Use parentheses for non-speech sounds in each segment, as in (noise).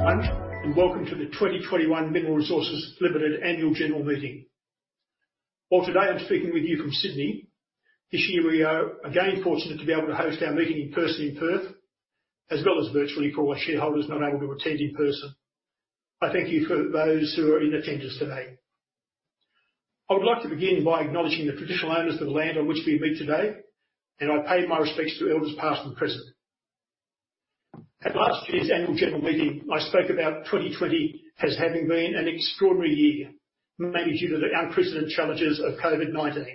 Welcome to the 2021 Mineral Resources Limited annual general meeting. While today I'm speaking with you from Sydney, this year we are again fortunate to be able to host our meeting in person in Perth, as well as virtually for our shareholders not able to attend in person. I thank you for those who are in attendance today. I would like to begin by acknowledging the traditional owners of the land on which we meet today, and I pay my respects to elders past and present. At last year's annual general meeting, I spoke about 2020 as having been an extraordinary year, mainly due to the unprecedented challenges of COVID-19.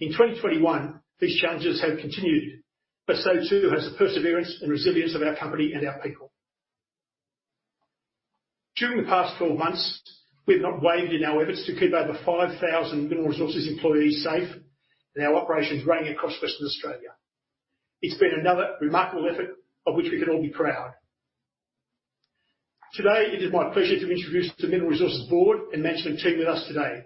In 2021, these challenges have continued, but so too has the perseverance and resilience of our company and our people. During the past 12 months, we've not wavered in our efforts to keep over 5,000 Mineral Resources employees safe and our operations running across Western Australia. It's been another remarkable effort of which we can all be proud. Today, it is my pleasure to introduce the Mineral Resources board and management team with us today.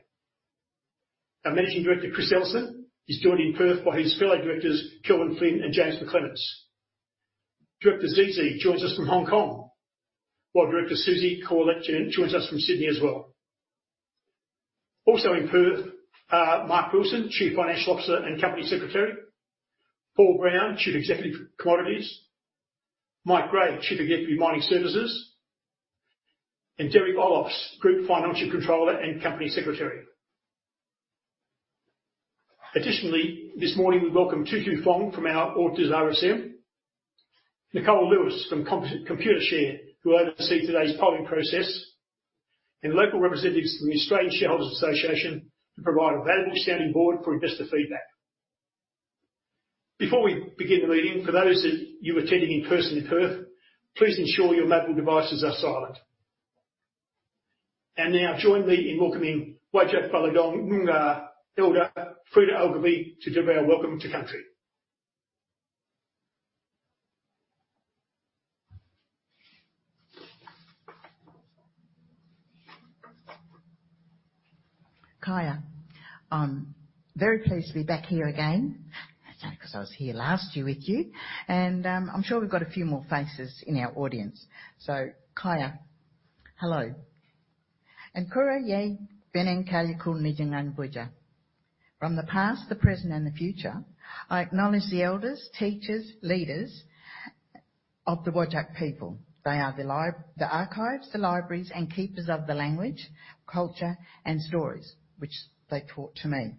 Our Managing Director, Chris Ellison, is joined in Perth by his fellow directors, Kelvin Flynn and James McClements. Director Zizi joins us from Hong Kong, while Director Susie Corlett joins us from Sydney as well. Also in Perth are Mark Wilson, Chief Financial Officer and Company Secretary; Paul Brown, Chief Executive Commodities; Mike Gray, Chief Executive Mining Services; and Derek Oelofse, Group Financial Controller and Company Secretary. Additionally, this morning, we welcome Thu Phuong Tu from our auditors, RSM, and Nicole Lewis from Computershare, who will oversee today's polling process. Local representatives from the Australian Shareholders' Association to provide a valuable sounding board for investor feedback. Before we begin the meeting, for those of you attending in person in Perth, please ensure your mobile devices are silent. Now, join me in welcoming Whadjuk Ballardong Noongar Elder, Freda Ogilvie to deliver our Welcome to Country. Kaya. I'm very pleased to be back here again 'cause I was here last year with you. I'm sure we've got a few more faces in our audience. Kaya. Hello. From the past, the present, and the future, I acknowledge the elders, teachers, leaders of the Whadjuk people. They are the archives, the libraries, and keepers of the language, culture, and stories which they taught to me.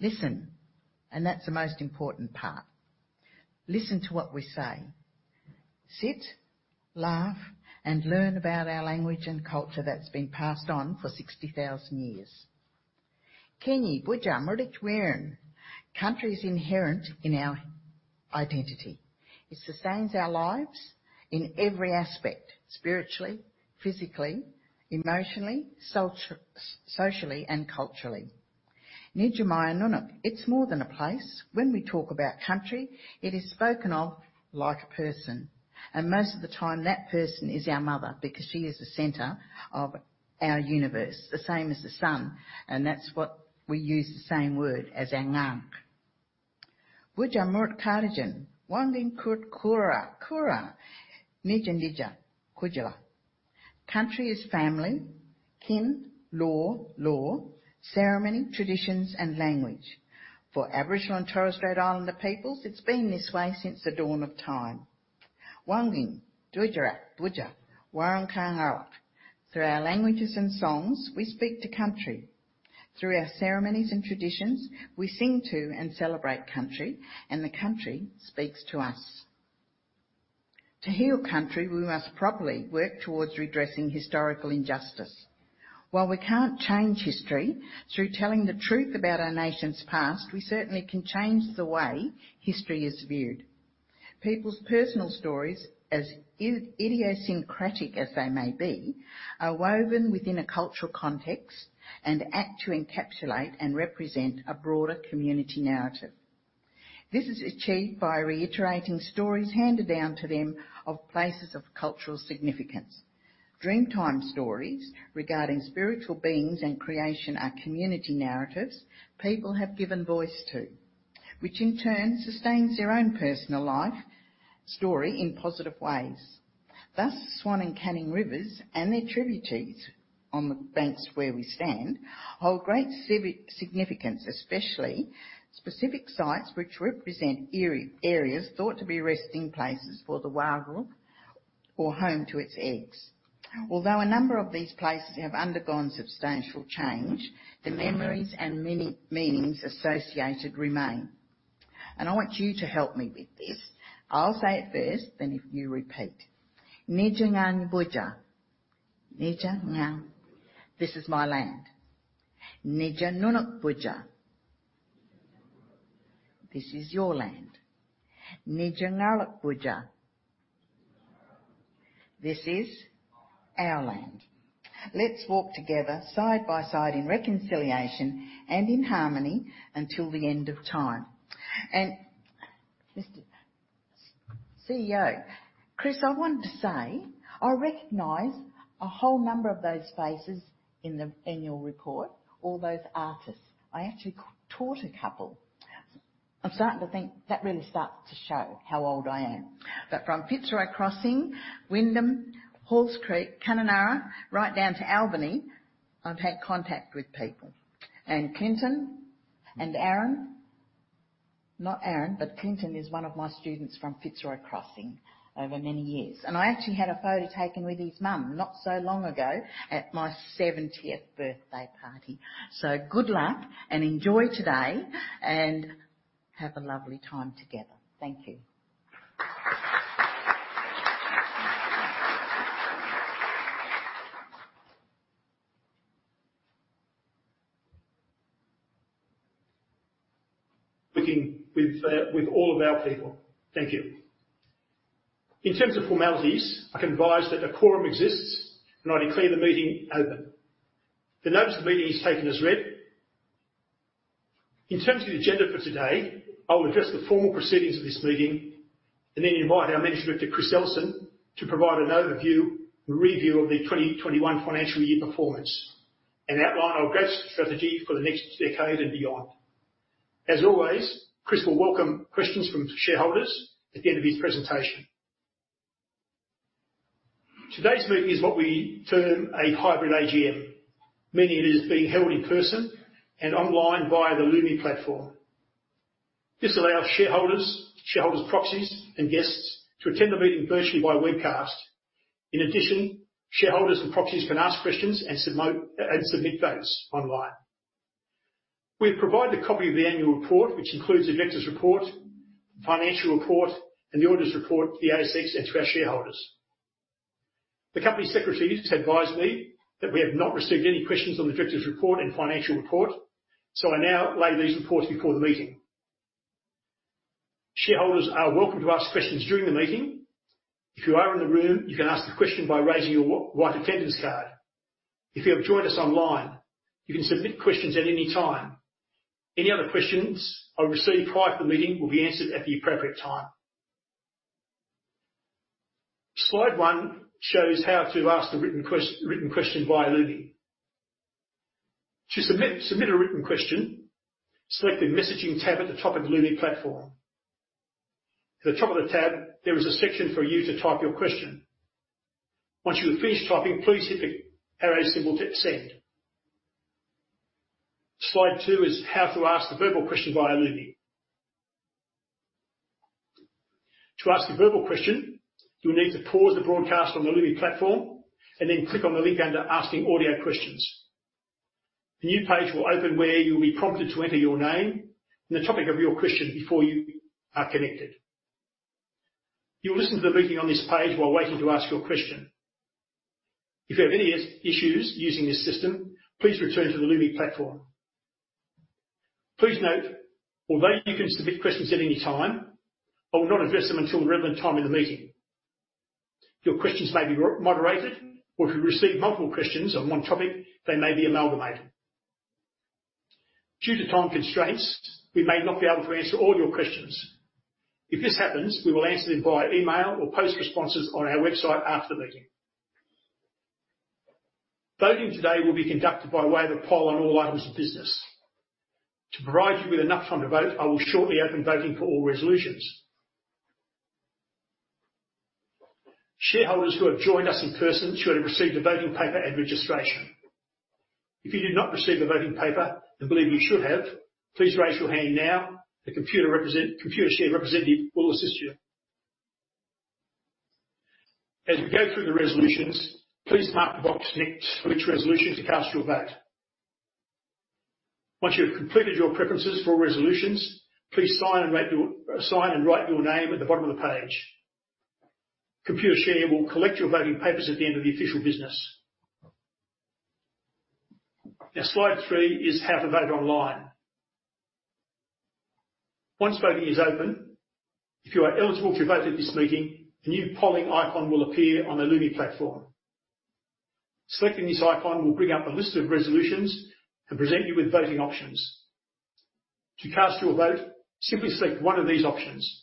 Listen, and that's the most important part. Listen to what we say. Sit, laugh, and learn about our language and culture that's been passed on for 60,000 years. Country is inherent in our identity. It sustains our lives in every aspect, spiritually, physically, emotionally, socially, and culturally. It's more than a place. When we talk about country, it is spoken of like a person. Most of the time, that person is our mother because she is the center of our universe, the same as the sun. We use the same word as our ngangk. Country is family, kin, law, lore, ceremony, traditions, and language. For Aboriginal and Torres Strait Islander peoples, it's been this way since the dawn of time. Through our languages and songs, we speak to country. Through our ceremonies and traditions, we sing to and celebrate country, and the country speaks to us. To heal country, we must properly work towards redressing historical injustice. While we can't change history, through telling the truth about our nation's past, we certainly can change the way history is viewed. People's personal stories, as idiosyncratic as they may be, are woven within a cultural context and act to encapsulate and represent a broader community narrative. This is achieved by reiterating stories handed down to them of places of cultural significance. Dreamtime stories regarding spiritual beings and creation are community narratives people have given voice to, which in turn sustains their own personal life story in positive ways. Thus, Swan and Canning Rivers and their tributaries on the banks where we stand hold great significance, especially specific sites which represent areas thought to be resting places for the Waugal or home to its eggs. Although a number of these places have undergone substantial change, the memories and meanings associated remain. I want you to help me with this. I'll say it first, then if you repeat. This is my land. This is your land. This is our land. Let's walk together side by side in reconciliation and in harmony until the end of time. Just (audio distortion) CEO. Chris, I wanted to say I recognize a whole number of those faces in the annual report, all those artists. I actually taught a couple. I'm starting to think that really starts to show how old I am. From Fitzroy Crossing, Wyndham, Halls Creek, Kununurra, right down to Albany, I've had contact with people. Clinton and Aaron, not Aaron, but Clinton is one of my students from Fitzroy Crossing over many years. I actually had a photo taken with his mom not so long ago at my seventieth birthday party. Good luck and enjoy today, and have a lovely time together. Thank you. Working with all of our people. Thank you. In terms of formalities, I can advise that a quorum exists, and I declare the meeting open. The notice of the meeting is taken as read. In terms of the agenda for today, I will address the formal proceedings of this meeting and then invite our Managing Director, Chris Ellison, to provide an overview and review of the 2021 financial year performance and outline our growth strategy for the next decade and beyond. As always, Chris will welcome questions from shareholders at the end of his presentation. Today's meeting is what we term a hybrid AGM, meaning it is being held in person and online via the Lumi platform. This allows shareholders' proxies, and guests to attend the meeting virtually by webcast. In addition, shareholders and proxies can ask questions and submit votes online. We've provided a copy of the annual report, which includes the directors' report, financial report, and the auditors' report to the ASX and to our shareholders. The company secretaries advise me that we have not received any questions on the directors' report and financial report, so I now lay these reports before the meeting. Shareholders are welcome to ask questions during the meeting. If you are in the room, you can ask the question by raising your white attendance card. If you have joined us online, you can submit questions at any time. Any other questions I receive prior to the meeting will be answered at the appropriate time. Slide one shows how to ask a written question via Lumi. To submit a written question, select the Messaging tab at the top of Lumi platform. At the top of the tab, there is a section for you to type your question. Once you have finished typing, please hit the arrow symbol to send. Slide two is how to ask a verbal question via Lumi. To ask a verbal question, you'll need to pause the broadcast on the Lumi platform and then click on the link under Asking Audio Questions. A new page will open where you'll be prompted to enter your name and the topic of your question before you are connected. You'll listen to the meeting on this page while waiting to ask your question. If you have any issues using this system, please return to the Lumi platform. Please note, although you can submit questions at any time, I will not address them until the relevant time in the meeting. Your questions may be moderated, or if we receive multiple questions on one topic, they may be amalgamated. Due to time constraints, we may not be able to answer all your questions. If this happens, we will answer them via email or post responses on our website after the meeting. Voting today will be conducted by way of a poll on all items of business. To provide you with enough time to vote, I will shortly open voting for all resolutions. Shareholders who have joined us in person should have received a voting paper at registration. If you did not receive a voting paper and believe you should have, please raise your hand now. Computershare representative will assist you. As we go through the resolutions, please mark the box next to which resolution to cast your vote. Once you have completed your preferences for all resolutions, please sign and write your name at the bottom of the page. Computershare will collect your voting papers at the end of the official business. Now, slide three is how to vote online. Once voting is open, if you are eligible to vote at this meeting, a new polling icon will appear on the Lumi platform. Selecting this icon will bring up a list of resolutions and present you with voting options. To cast your vote, simply select one of these options.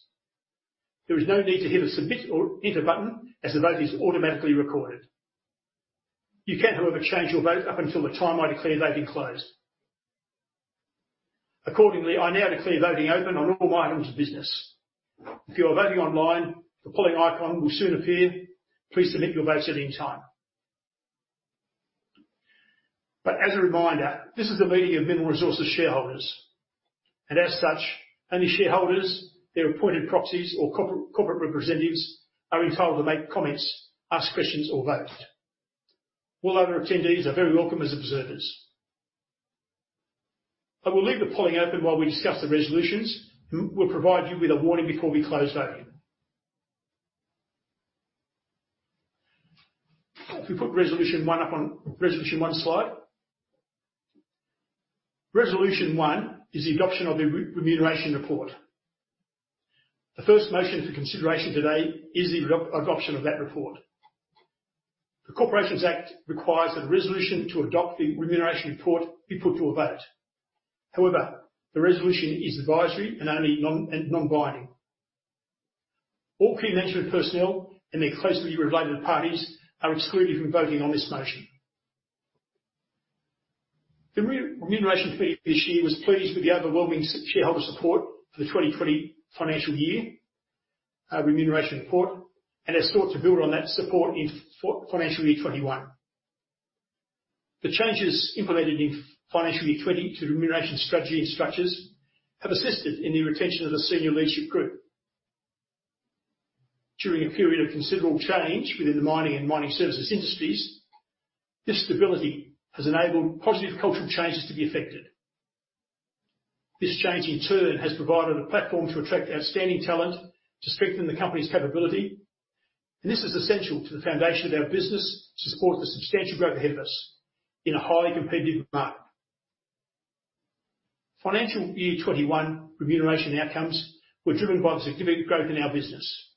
There is no need to hit a submit or enter button as the vote is automatically recorded. You can, however, change your vote up until the time I declare voting closed. Accordingly, I now declare voting open on all my items of business. If you are voting online, the polling icon will soon appear. Please submit your votes at any time. As a reminder, this is a meeting of Mineral Resources shareholders, and as such, only shareholders, their appointed proxies, or corporate representatives are entitled to make comments, ask questions, or vote. All other attendees are very welcome as observers. I will leave the polling open while we discuss the resolutions. We'll provide you with a warning before we close voting. If we put resolution one up on the resolution one slide. Resolution one is the adoption of the remuneration report. The first motion for consideration today is the adoption of that report. The Corporations Act requires a resolution to adopt the remuneration report be put to a vote. However, the resolution is advisory and only non-binding. All key management personnel and their closely related parties are excluded from voting on this motion. The remuneration committee this year was pleased with the overwhelming shareholder support for the 2020 financial year remuneration report, and has sought to build on that support in financial year 2021. The changes implemented in financial year 2020 to the remuneration strategy and structures have assisted in the retention of the senior leadership group. During a period of considerable change within the mining and mining services industries, this stability has enabled positive cultural changes to be effected. This change, in turn, has provided a platform to attract outstanding talent to strengthen the company's capability. This is essential to the foundation of our business to support the substantial growth ahead of us in a highly competitive market. Financial year 2021 remuneration outcomes were driven by the significant growth in our business.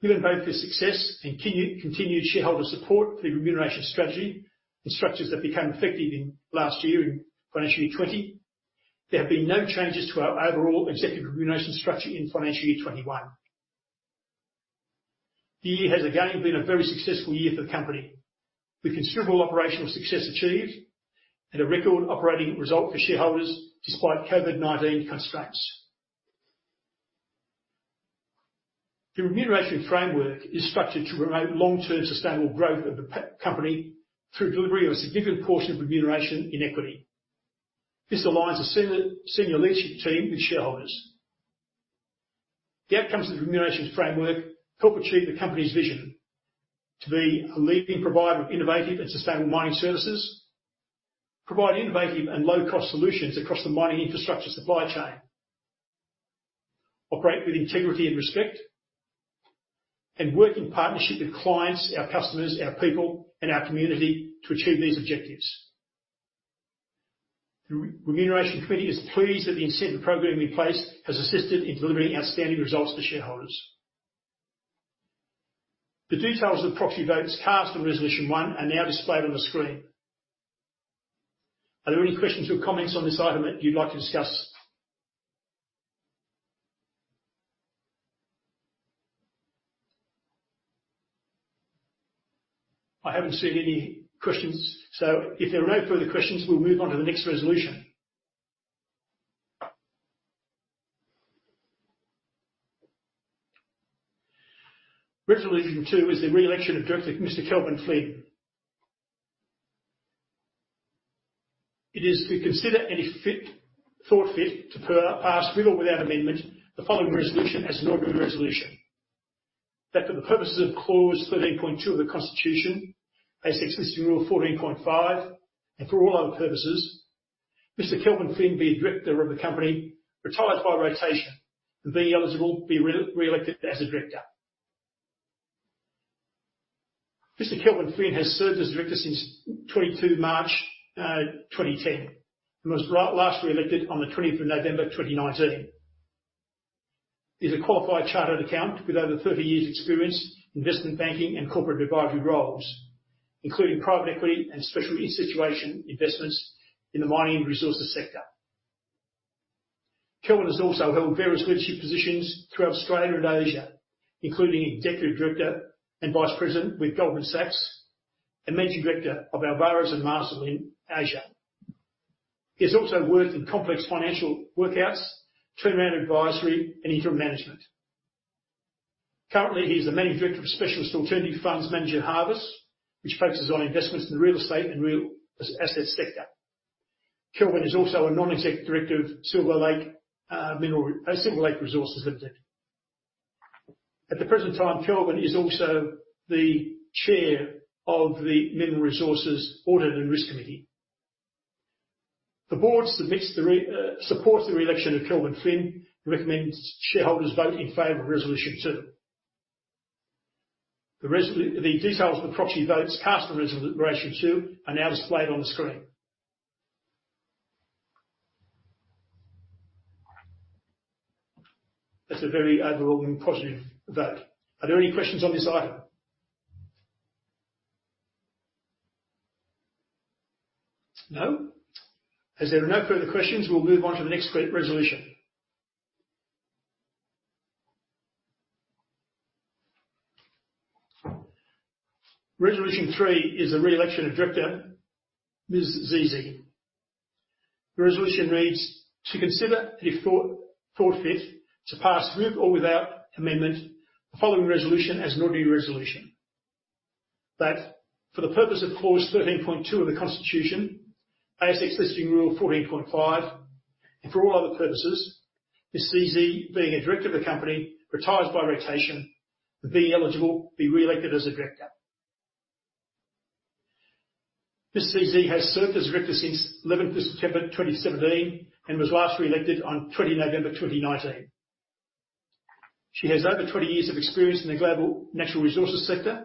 Given both the success and continued shareholder support for the remuneration strategy and structures that became effective in last year, in financial year 2020, there have been no changes to our overall executive remuneration structure in financial year 2021. The year has again been a very successful year for the company, with considerable operational success achieved and a record operating result for shareholders despite COVID-19 constraints. The remuneration framework is structured to promote long-term sustainable growth of the company through delivery of a significant portion of remuneration in equity. This aligns the senior leadership team with shareholders. The outcomes of the remuneration framework help achieve the company's vision to be a leading provider of innovative and sustainable mining services, provide innovative and low-cost solutions across the mining infrastructure supply chain. Operate with integrity and respect, and work in partnership with clients, our customers, our people, and our community to achieve these objectives. The remuneration committee is pleased that the incentive program in place has assisted in delivering outstanding results to shareholders. The details of the proxy votes cast on Resolution 1 are now displayed on the screen. Are there any questions or comments on this item that you'd like to discuss? I haven't seen any questions, so if there are no further questions, we'll move on to the next resolution. Resolution 2 is the re-election of Director Mr. Kelvin Flynn. It is to consider, if thought fit, to pass, with or without amendment, the following resolution as an ordinary resolution. That for the purposes of clause 13.2 of the Constitution, ASX Listing Rule 14.5, and for all other purposes, Mr. Kelvin Flynn be a director of the company, retires by rotation, and being eligible, be re-elected as a director. Mr. Kelvin Flynn has served as a director since March 22, 2010, and was last re-elected on November 20th, 2019. He's a qualified chartered accountant with over 30 years experience in investment banking and corporate advisory roles, including private equity and special situations investments in the mining and resources sector. Kelvin has also held various leadership positions throughout Australia and Asia, including Executive Director and Vice President with Goldman Sachs and Managing Director of Alvarez & Marsal in Asia. He has also worked in complex financial workouts, turnaround advisory, and interim management. Currently, he is the managing director of specialist alternative funds manager Harvest, which focuses on investments in the real estate and real asset sector. Kelvin is also a non-executive director of Silver Lake Resources Limited. At the present time, Kelvin is also the Chair of the Mineral Resources Audit and Risk Committee. The board supports the reelection of Kelvin Flynn and recommends shareholders vote in favor of Resolution 2. The details of the proxy votes cast on Resolution 2 are now displayed on the screen. That's a very overwhelming positive vote. Are there any questions on this item? No? As there are no further questions, we'll move on to the next resolution. Resolution 3 is the reelection of director Ms. Zizi. The resolution reads: To consider and if thought fit to pass, with or without amendment, the following resolution as an ordinary resolution. That for the purpose of clause 13.2 of the Constitution, ASX Listing Rule 14.5, and for all other purposes, Ms. Zizi being a director of the company, retires by rotation, and being eligible, be reelected as a director. Ms. Zizi has served as a director since September 11th, 2017 and was last reelected on November 20, 2019. She has over 20 years of experience in the global natural resources sector,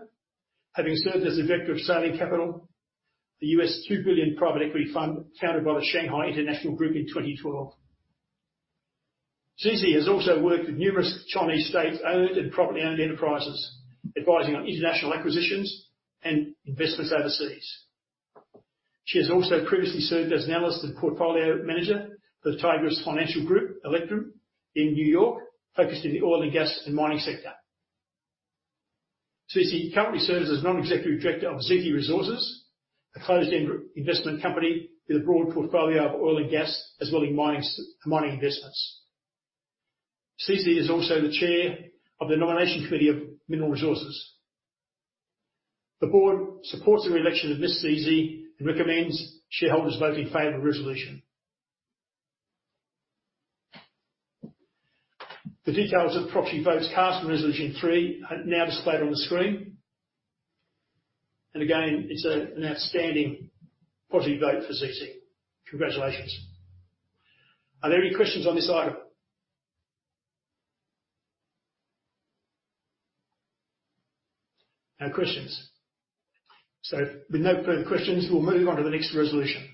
having served as a director of Sailing Capital, the U.S. $2 billion private equity fund founded by the Shanghai International Group in 2012. Zizi has also worked with numerous Chinese state-owned and privately-owned enterprises advising on international acquisitions and investments overseas. She has also previously served as an analyst and portfolio manager for the Tigris Financial Group, The Electrum Group in New York, focused in the oil and gas and mining sector. Zizi currently serves as non-executive director of [Zici] Resources, a closed-end investment company with a broad portfolio of oil and gas, as well as mining investments. Zizi is also the chair of the nomination committee of Mineral Resources. The board supports the reelection of Ms. Zizi and recommends shareholders vote in favor of resolution. The details of proxy votes cast on resolution 3 are now displayed on the screen. Again, it's an outstanding proxy vote for Zizi. Congratulations. Are there any questions on this item? No questions. With no further questions, we'll move on to the next resolution.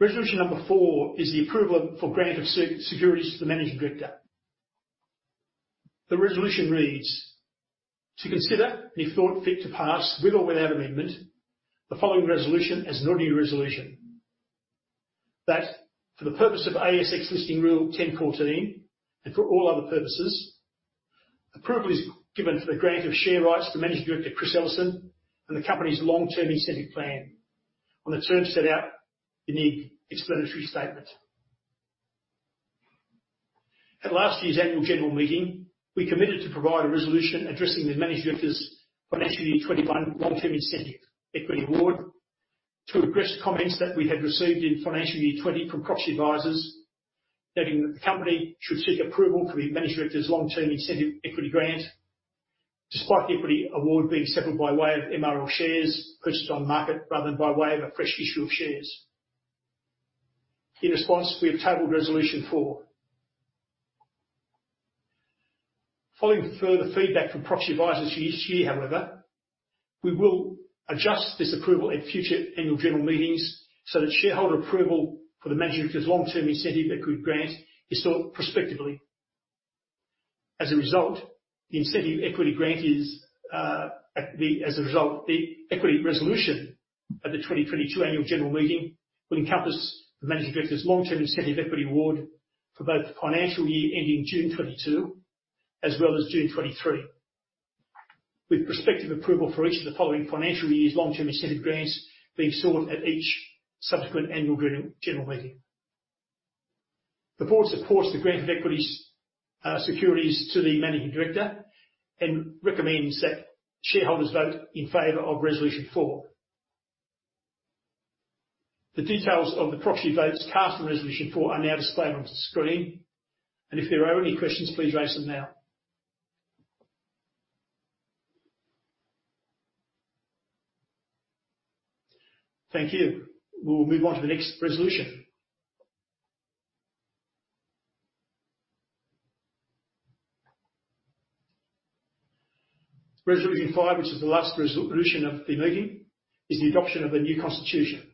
Resolution number 4 is the approval for grant of securities to the managing director. The resolution reads, "To consider and if thought fit to pass, with or without amendment, the following resolution as an ordinary resolution. That for the purpose of ASX Listing Rule 10.14, and for all other purposes, approval is given for the grant of share rights to Managing Director Chris Ellison and the company's long-term incentive plan on the terms set out in the explanatory statement. At last year's annual general meeting, we committed to provide a resolution addressing the Managing Director's financial year 2021 long-term incentive equity award to address comments that we had received in financial year 2020 from proxy advisors that the company should seek approval for the Managing Director's long-term incentive equity grant, despite the equity award being settled by way of MRL shares purchased on market rather than by way of a fresh issue of shares. In response, we have tabled Resolution 4. Following further feedback from proxy advisors this year, however, we will adjust this approval at future annual general meetings so that shareholder approval for the managing director's long-term incentive equity grant is sought prospectively. As a result, the equity resolution at the 2022 annual general meeting will encompass the managing director's long-term incentive equity award for both the financial year ending June 2022 as well as June 2023, with prospective approval for each of the following financial years' long-term incentive grants being sought at each subsequent annual general meeting. The board supports the grant of equities, securities to the managing director and recommends that shareholders vote in favor of resolution 4. The details of the proxy votes cast on Resolution 4 are now displayed on the screen, and if there are any questions, please raise them now. Thank you. We will move on to the next resolution. Resolution 5, which is the last resolution of the meeting, is the adoption of the new constitution.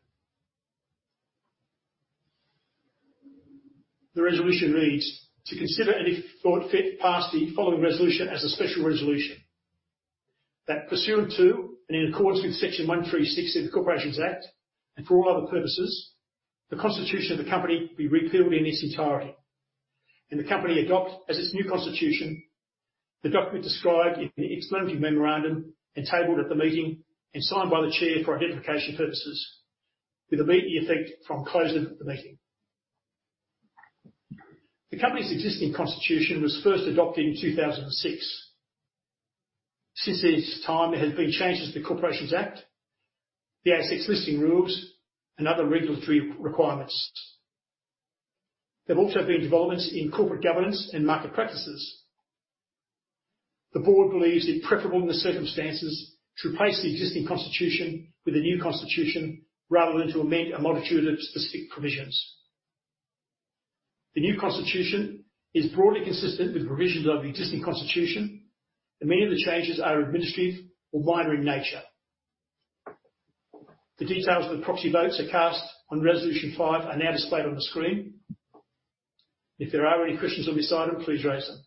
The resolution reads, "To consider, and if thought fit, pass the following resolution as a special resolution. That pursuant to, and in accordance with Section 136 of the Corporations Act, and for all other purposes, the constitution of the company be repealed in its entirety, and the company adopt as its new constitution the document described in the explanatory memorandum and tabled at the meeting and signed by the chair for identification purposes with immediate effect from closing of the meeting." The company's existing constitution was first adopted in 2006. Since this time, there have been changes to the Corporations Act, the ASX Listing Rules, and other regulatory requirements. There have also been developments in corporate governance and market practices. The board believes it preferable in the circumstances to replace the existing constitution with a new constitution rather than to amend a multitude of specific provisions. The new constitution is broadly consistent with provisions of the existing constitution, and many of the changes are administrative or minor in nature. The details of the proxy votes cast on Resolution 5 are now displayed on the screen. If there are any questions on this item, please raise them.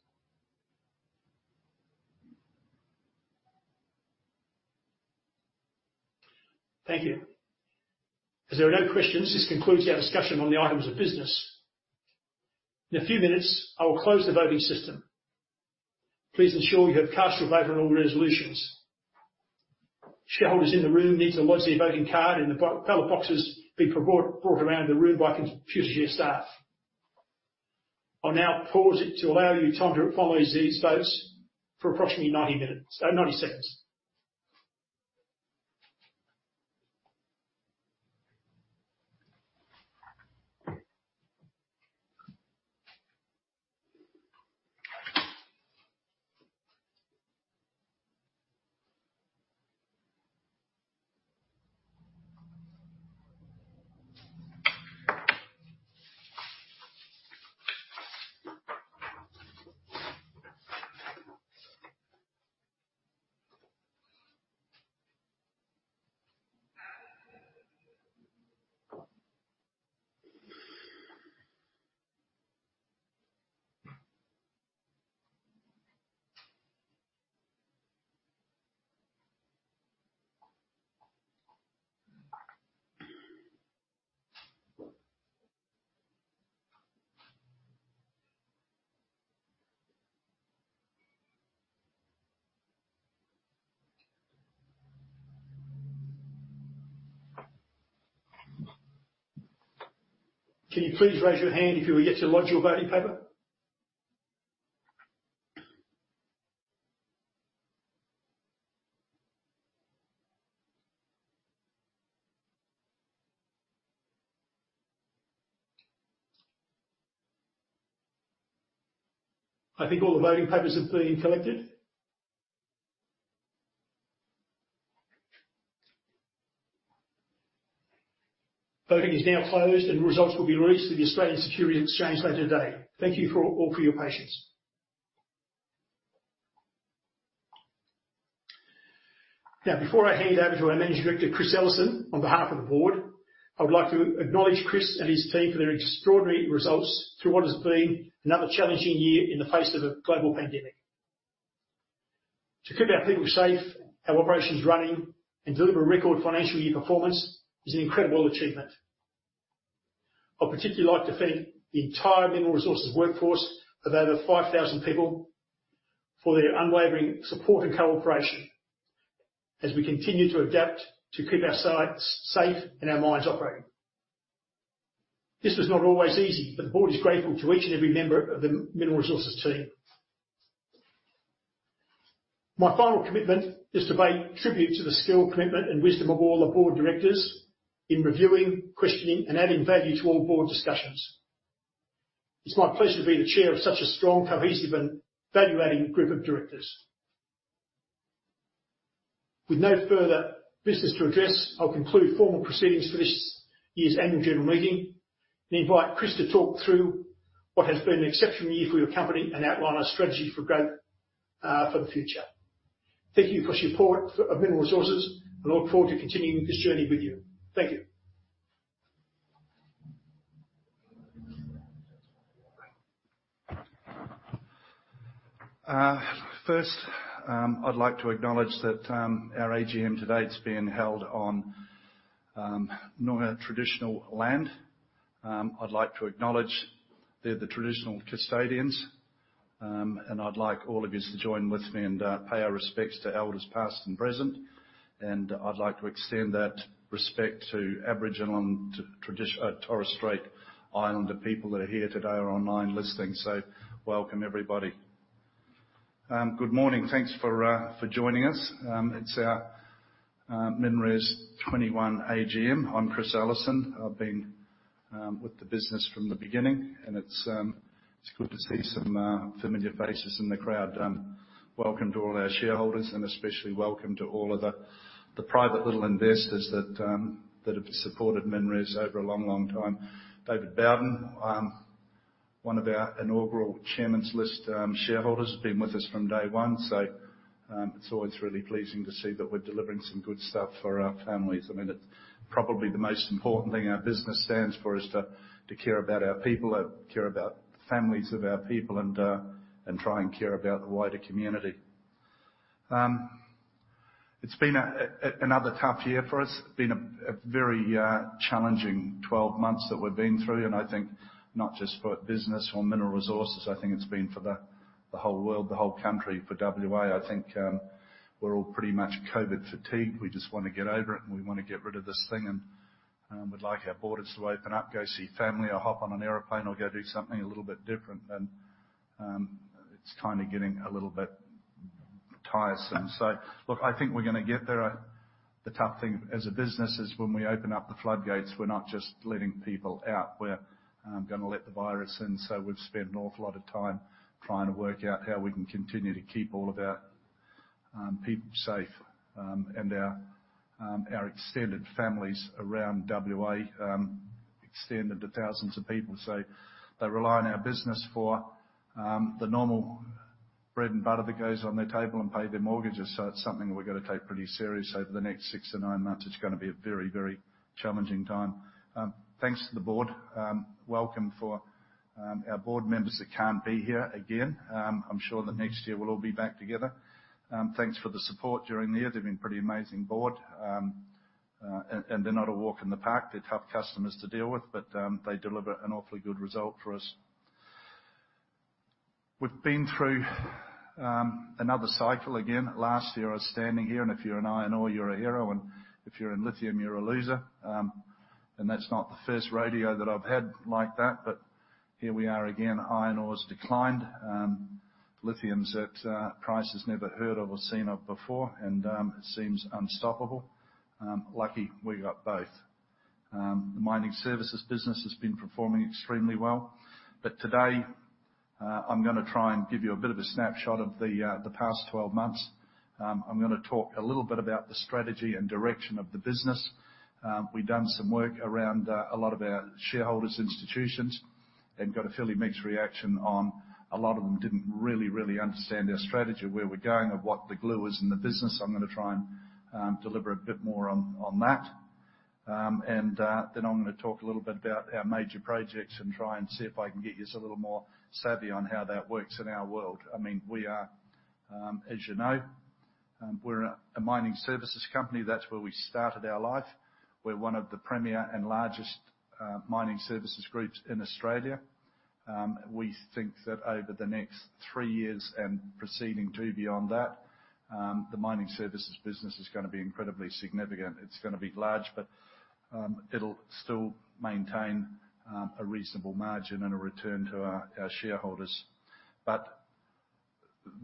Thank you. As there are no questions, this concludes our discussion on the items of business. In a few minutes, I will close the voting system. Please ensure you have cast your vote on all resolutions. Shareholders in the room need to lodge their voting card in the ballot boxes being brought around the room by Computershare staff. I'll now pause it to allow you time to finalize these votes for approximately 90 seconds. Can you please raise your hand if you are yet to lodge your voting paper? I think all the voting papers have been collected. Voting is now closed and results will be released to the Australian Securities Exchange later today. Thank you all for your patience. Now, before I hand over to our Managing Director, Chris Ellison, on behalf of the board, I would like to acknowledge Chris and his team for their extraordinary results through what has been another challenging year in the face of a global pandemic. To keep our people safe, our operations running, and deliver record financial year performance is an incredible achievement. I'd particularly like to thank the entire Mineral Resources workforce of over 5,000 people for their unwavering support and cooperation as we continue to adapt to keep our sites safe and our mines operating. This was not always easy, but the board is grateful to each and every member of the Mineral Resources team. My final commitment is to pay tribute to the skill, commitment, and wisdom of all the board of directors in reviewing, questioning, and adding value to all board discussions. It's my pleasure to be the chair of such a strong, cohesive, and value-adding group of directors. With no further business to address, I'll conclude formal proceedings for this year's annual general meeting and invite Chris to talk through what has been an exceptional year for your company and outline our strategy for growth, for the future. Thank you for your support of Mineral Resources. We look forward to continuing this journey with you. Thank you. First, I'd like to acknowledge that our AGM today is being held on Noongar traditional land. I'd like to acknowledge they're the traditional custodians, and I'd like all of yous to join with me and pay our respects to elders past and present. I'd like to extend that respect to Aboriginal and Torres Strait Islander people that are here today or online listening. Welcome, everybody. Good morning. Thanks for joining us. It's our MinRes 2021 AGM. I'm Chris Ellison. I've been with the business from the beginning, and it's good to see some familiar faces in the crowd. Welcome to all our shareholders, and especially welcome to all of the private little investors that have supported MinRes over a long, long time. David Bowden, one of our inaugural chairman's list shareholders, been with us from day one. It's always really pleasing to see that we're delivering some good stuff for our families. I mean, it's probably the most important thing our business stands for is to care about our people, care about the families of our people and try and care about the wider community. It's been another tough year for us, a very challenging twelve months that we've been through, and I think not just for business or Mineral Resources. I think it's been for the whole world, the whole country. For WA, I think, we're all pretty much COVID fatigued. We just wanna get over it, and we wanna get rid of this thing and, we'd like our borders to open up, go see family or hop on an airplane or go do something a little bit different and, it's kinda getting a little bit tiresome. Look, I think we're gonna get there. The tough thing as a business is when we open up the floodgates, we're not just letting people out. We're gonna let the virus in, so we've spent an awful lot of time trying to work out how we can continue to keep all of our people safe, and our extended families around WA, extended to thousands of people. They rely on our business for the normal bread and butter that goes on their table and pay their mortgages. It's something we've gotta take pretty serious over the next six and nine months. It's gonna be a very, very challenging time. Thanks to the board. Welcome for our board members that can't be here again. I'm sure that next year we'll all be back together. Thanks for the support during the year. They've been pretty amazing board. They're not a walk in the park. They're tough customers to deal with, but they deliver an awfully good result for us. We've been through another cycle again. Last year, I was standing here, and if you're in iron ore you're a hero, and if you're in lithium you're a loser. That's not the first rodeo that I've had like that. Here we are again. Iron ore's declined. Lithium's at prices never heard of or seen of before and seems unstoppable. Lucky we got both. The Mining Services business has been performing extremely well. Today, I'm gonna try and give you a bit of a snapshot of the past 12 months. I'm gonna talk a little bit about the strategy and direction of the business. We've done some work around a lot of our institutional shareholders and got a fairly mixed reaction. A lot of them didn't really understand our strategy, where we're going or what the glue is in the business. I'm gonna try and deliver a bit more on that. Then I'm gonna talk a little bit about our major projects and try and see if I can get yous a little more savvy on how that works in our world. I mean, we are, as you know, we're a mining services company. That's where we started our life. We're one of the premier and largest mining services groups in Australia. We think that over the next three years, and proceeding to beyond that, the mining services business is gonna be incredibly significant. It's gonna be large, but it'll still maintain a reasonable margin and a return to our shareholders.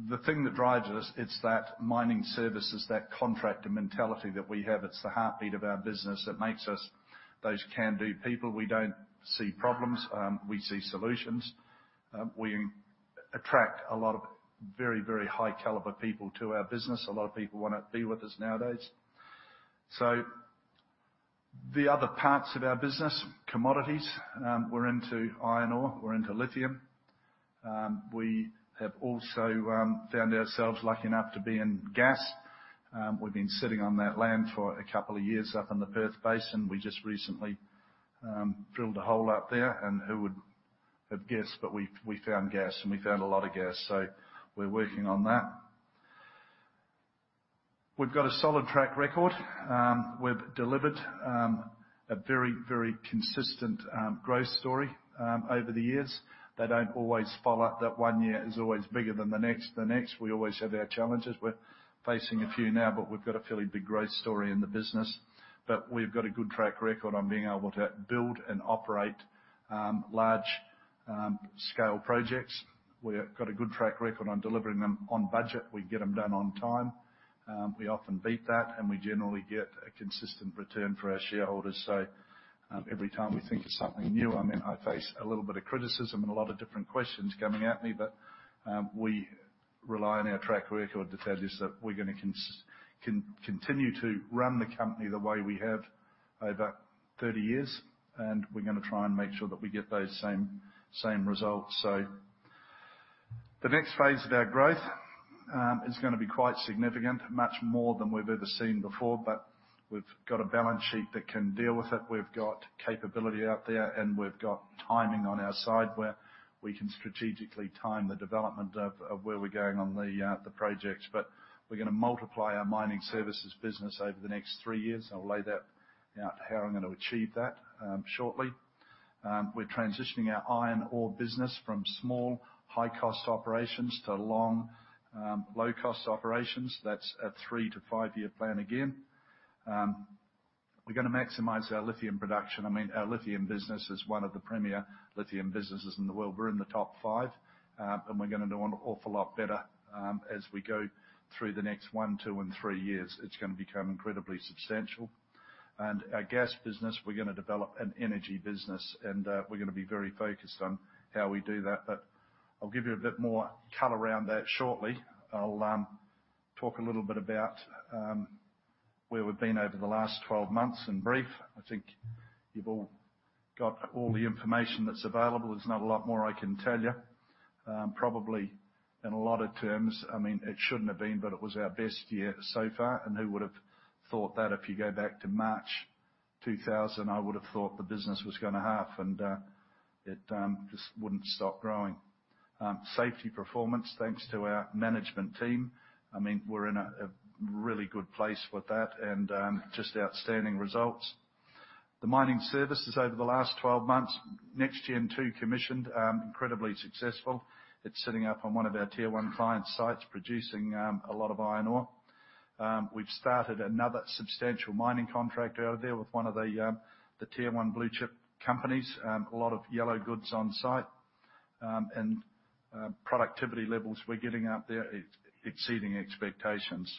The thing that drives us, it's that mining services, that contractor mentality that we have. It's the heartbeat of our business that makes us those can-do people. We don't see problems, we see solutions. We attract a lot of very, very high caliber people to our business. A lot of people wanna be with us nowadays. The other parts of our business, commodities, we're into iron ore, we're into lithium. We have also found ourselves lucky enough to be in gas. We've been sitting on that land for a couple of years up in the Perth Basin. We just recently drilled a hole up there, and who would have guessed? We found gas, and we found a lot of gas, so we're working on that. We've got a solid track record. We've delivered a very, very consistent growth story over the years. It doesn't always follow that one year is always bigger than the next. We always have our challenges. We're facing a few now, but we've got a fairly big growth story in the business. We've got a good track record on being able to build and operate large-scale projects. We've got a good track record on delivering them on budget. We get them done on time. We often beat that, and we generally get a consistent return for our shareholders. Every time we think of something new, I mean, I face a little bit of criticism and a lot of different questions coming at me, but we rely on our track record to tell us that we're gonna continue to run the company the way we have over thirty years, and we're gonna try and make sure that we get those same results. The next phase of our growth is gonna be quite significant, much more than we've ever seen before. We've got a balance sheet that can deal with it. We've got capability out there, and we've got timing on our side where we can strategically time the development of where we're going on the projects. We're gonna multiply our mining services business over the next three years. I'll lay that out, how I'm gonna achieve that, shortly. We're transitioning our iron ore business from small, high-cost operations to long, low-cost operations. That's a three-to-five-year plan again. We're gonna maximize our lithium production. I mean, our lithium business is one of the premier lithium businesses in the world. We're in the top five, and we're gonna do an awful lot better, as we go through the next one, two, and three years. It's gonna become incredibly substantial. Our gas business, we're gonna develop an energy business, and we're gonna be very focused on how we do that. But I'll give you a bit more color around that shortly. I'll talk a little bit about where we've been over the last 12 months in brief. I think you've all got all the information that's available. There's not a lot more I can tell you. Probably in a lot of terms, I mean, it shouldn't have been, but it was our best year so far. Who would have thought that if you go back to March 2000? I would have thought the business was gonna halve, and it just wouldn't stop growing. Safety performance, thanks to our management team. I mean, we're in a really good place with that and just outstanding results. The mining services over the last 12 months, Next Gen 2 commissioned, incredibly successful. It's sitting up on one of our tier one client sites producing a lot of iron ore. We've started another substantial mining contract out there with one of the tier one blue chip companies. A lot of yellow goods on site. Productivity levels we're getting out there it's exceeding expectations.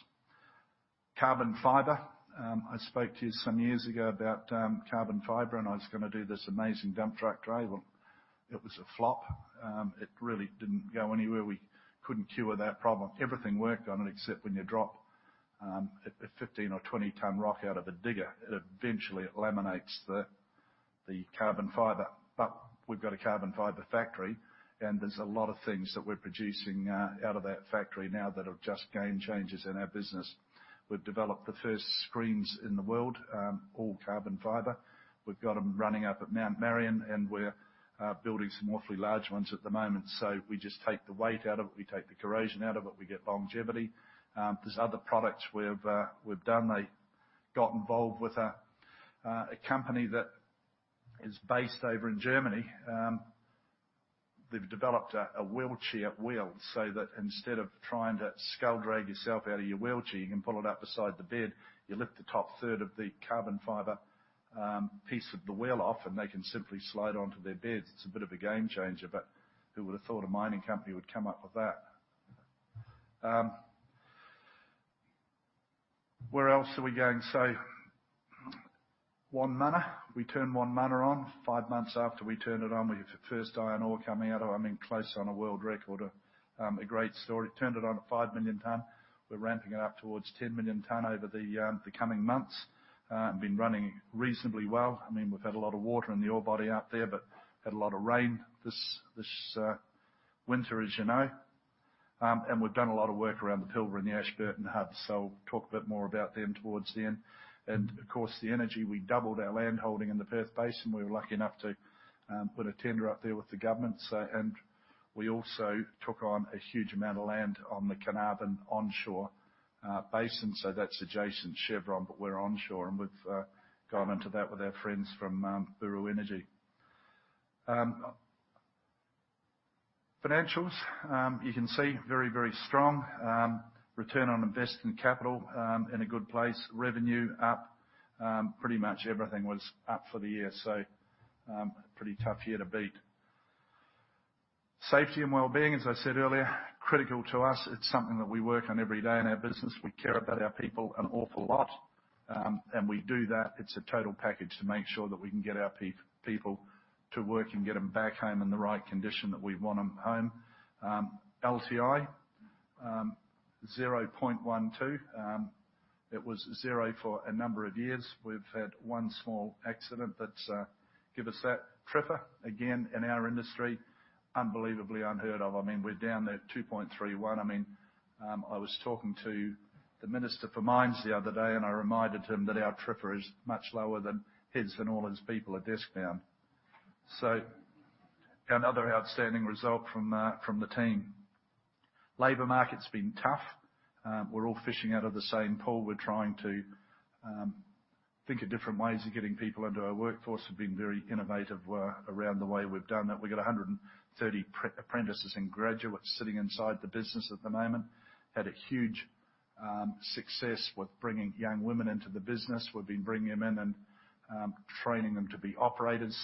Carbon fiber. I spoke to you some years ago about carbon fiber, and I was gonna do this amazing dump truck driver. It was a flop. It really didn't go anywhere. We couldn't cure that problem. Everything worked on it except when you drop a 15- or 20-ton rock out of a digger. It eventually laminates the carbon fiber. We've got a carbon fiber factory, and there's a lot of things that we're producing out of that factory now that have just game changers in our business. We've developed the first screens in the world, all carbon fiber. We've got them running up at Mount Marion, and we're building some awfully large ones at the moment. We just take the weight out of it. We take the corrosion out of it. We get longevity. There's other products we've done. They got involved with a company that is based over in Germany. They've developed a wheelchair wheel so that instead of trying to skull drag yourself out of your wheelchair, you can pull it up beside the bed, you lift the top third of the carbon fiber piece of the wheel off, and they can simply slide onto their beds. It's a bit of a game changer, but who would have thought a mining company would come up with that? Where else are we going? Wonmuna. We turned Wonmuna on. Five months after we turned it on, we had the first iron ore coming out of it. I mean, close on a world record. A great story. Turned it on at 5 million tonne. We're ramping it up towards 10 million tonne over the coming months. Been running reasonably well. I mean, we've had a lot of water in the ore body out there, but had a lot of rain this winter, as you know. We've done a lot of work around the Pilbara and the Ashburton Hub, so I'll talk a bit more about them towards the end. Of course, the energy, we doubled our land holding in the Perth Basin. We were lucky enough to win a tender up there with the government. We also took on a huge amount of land on the Carnarvon onshore basin. That's adjacent Chevron, but we're onshore, and we've gone into that with our friends from Buru Energy. Financials, you can see very, very strong. Return on investment capital in a good place. Revenue up. Pretty much everything was up for the year, so pretty tough year to beat. Safety and well-being, as I said earlier, critical to us. It's something that we work on every day in our business. We care about our people an awful lot, and we do that. It's a total package to make sure that we can get our people to work and get them back home in the right condition that we want them home. LTI 0.12. It was zero for a number of years. We've had one small accident that's given us that TRIFR. Again, in our industry, unbelievably unheard of. I mean, we're down there at 2.31. I mean, I was talking to the Minister for Mines the other day, and I reminded him that our TRIFR is much lower than his own people at desk-bound. Another outstanding result from the team. Labor market's been tough. We're all fishing out of the same pool. We're trying to think of different ways of getting people into our workforce. We're being very innovative around the way we've done that. We've got 130 pre-apprentices and graduates sitting inside the business at the moment. Had a huge success with bringing young women into the business. We've been bringing them in and training them to be operators.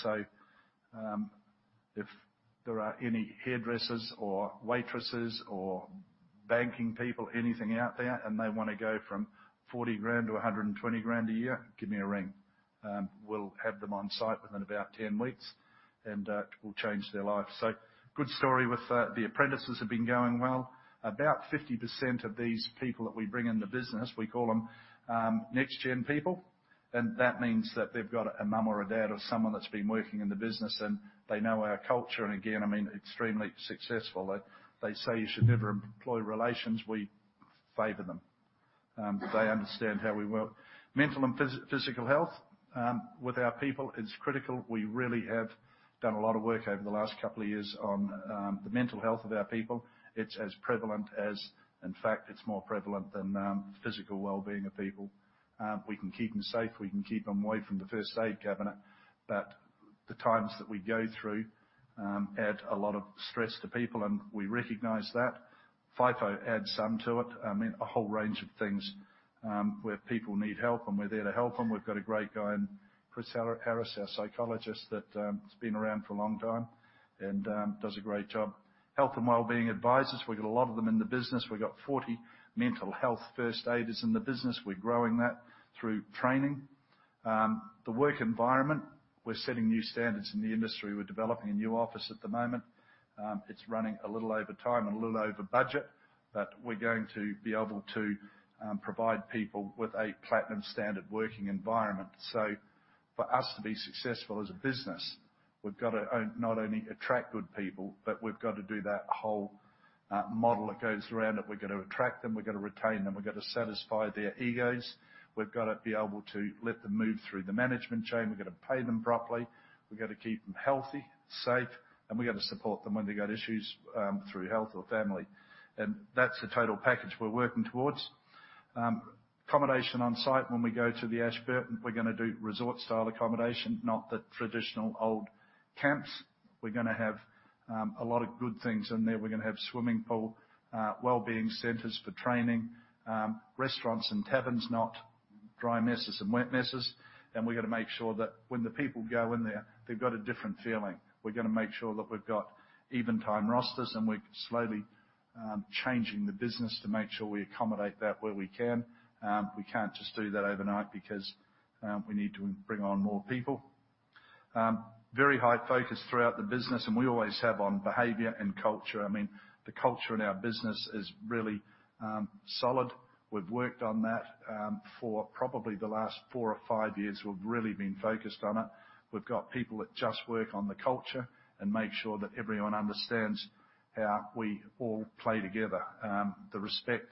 If there are any hairdressers or waitresses or banking people, anything out there, and they wanna go from 40,000 to 120,000 a year, give me a ring. We'll have them on site within about 10 weeks, and it will change their lives. Good story with the apprentices have been going well. About 50% of these people that we bring in the business, we call them next-gen people, and that means that they've got a mum or a dad or someone that's been working in the business, and they know our culture. And again, I mean, extremely successful. They say you should never employ relations. We favor them. They understand how we work. Mental and physical health with our people is critical. We really have done a lot of work over the last couple of years on the mental health of our people. It's as prevalent as physical well-being of people. In fact, it's more prevalent than physical well-being of people. We can keep them safe. We can keep them away from the first aid cabinet, but the times that we go through add a lot of stress to people, and we recognize that. FIFO adds some to it. I mean, a whole range of things where people need help, and we're there to help them. We've got a great guy in Chris Harris, our psychologist, that has been around for a long time and does a great job. Health and well-being advisors, we've got a lot of them in the business. We've got 40 mental health first aiders in the business. We're growing that through training. The work environment, we're setting new standards in the industry. We're developing a new office at the moment. It's running a little over time and a little over budget, but we're going to be able to provide people with a platinum standard working environment. For us to be successful as a business, we've gotta not only attract good people, but we've got to do that whole model that goes around it. We're gonna attract them, we're gonna retain them, we're gonna satisfy their egos. We've gotta be able to let them move through the management chain. We've gotta pay them properly. We've gotta keep them healthy, safe, and we gotta support them when they got issues through health or family. That's the total package we're working towards. Accommodation on site. When we go to the Ashburton, we're gonna do resort-style accommodation, not the traditional old camps. We're gonna have a lot of good things in there. We're gonna have swimming pool, wellbeing centers for training, restaurants and taverns, not dry messes and wet messes. We're gonna make sure that when the people go in there, they've got a different feeling. We're gonna make sure that we've got even time rosters, and we're slowly changing the business to make sure we accommodate that where we can. We can't just do that overnight because we need to bring on more people. Very high focus throughout the business, and we always have on behavior and culture. I mean, the culture in our business is really solid. We've worked on that for probably the last four or five years. We've really been focused on it. We've got people that just work on the culture and make sure that everyone understands how we all play together. The respect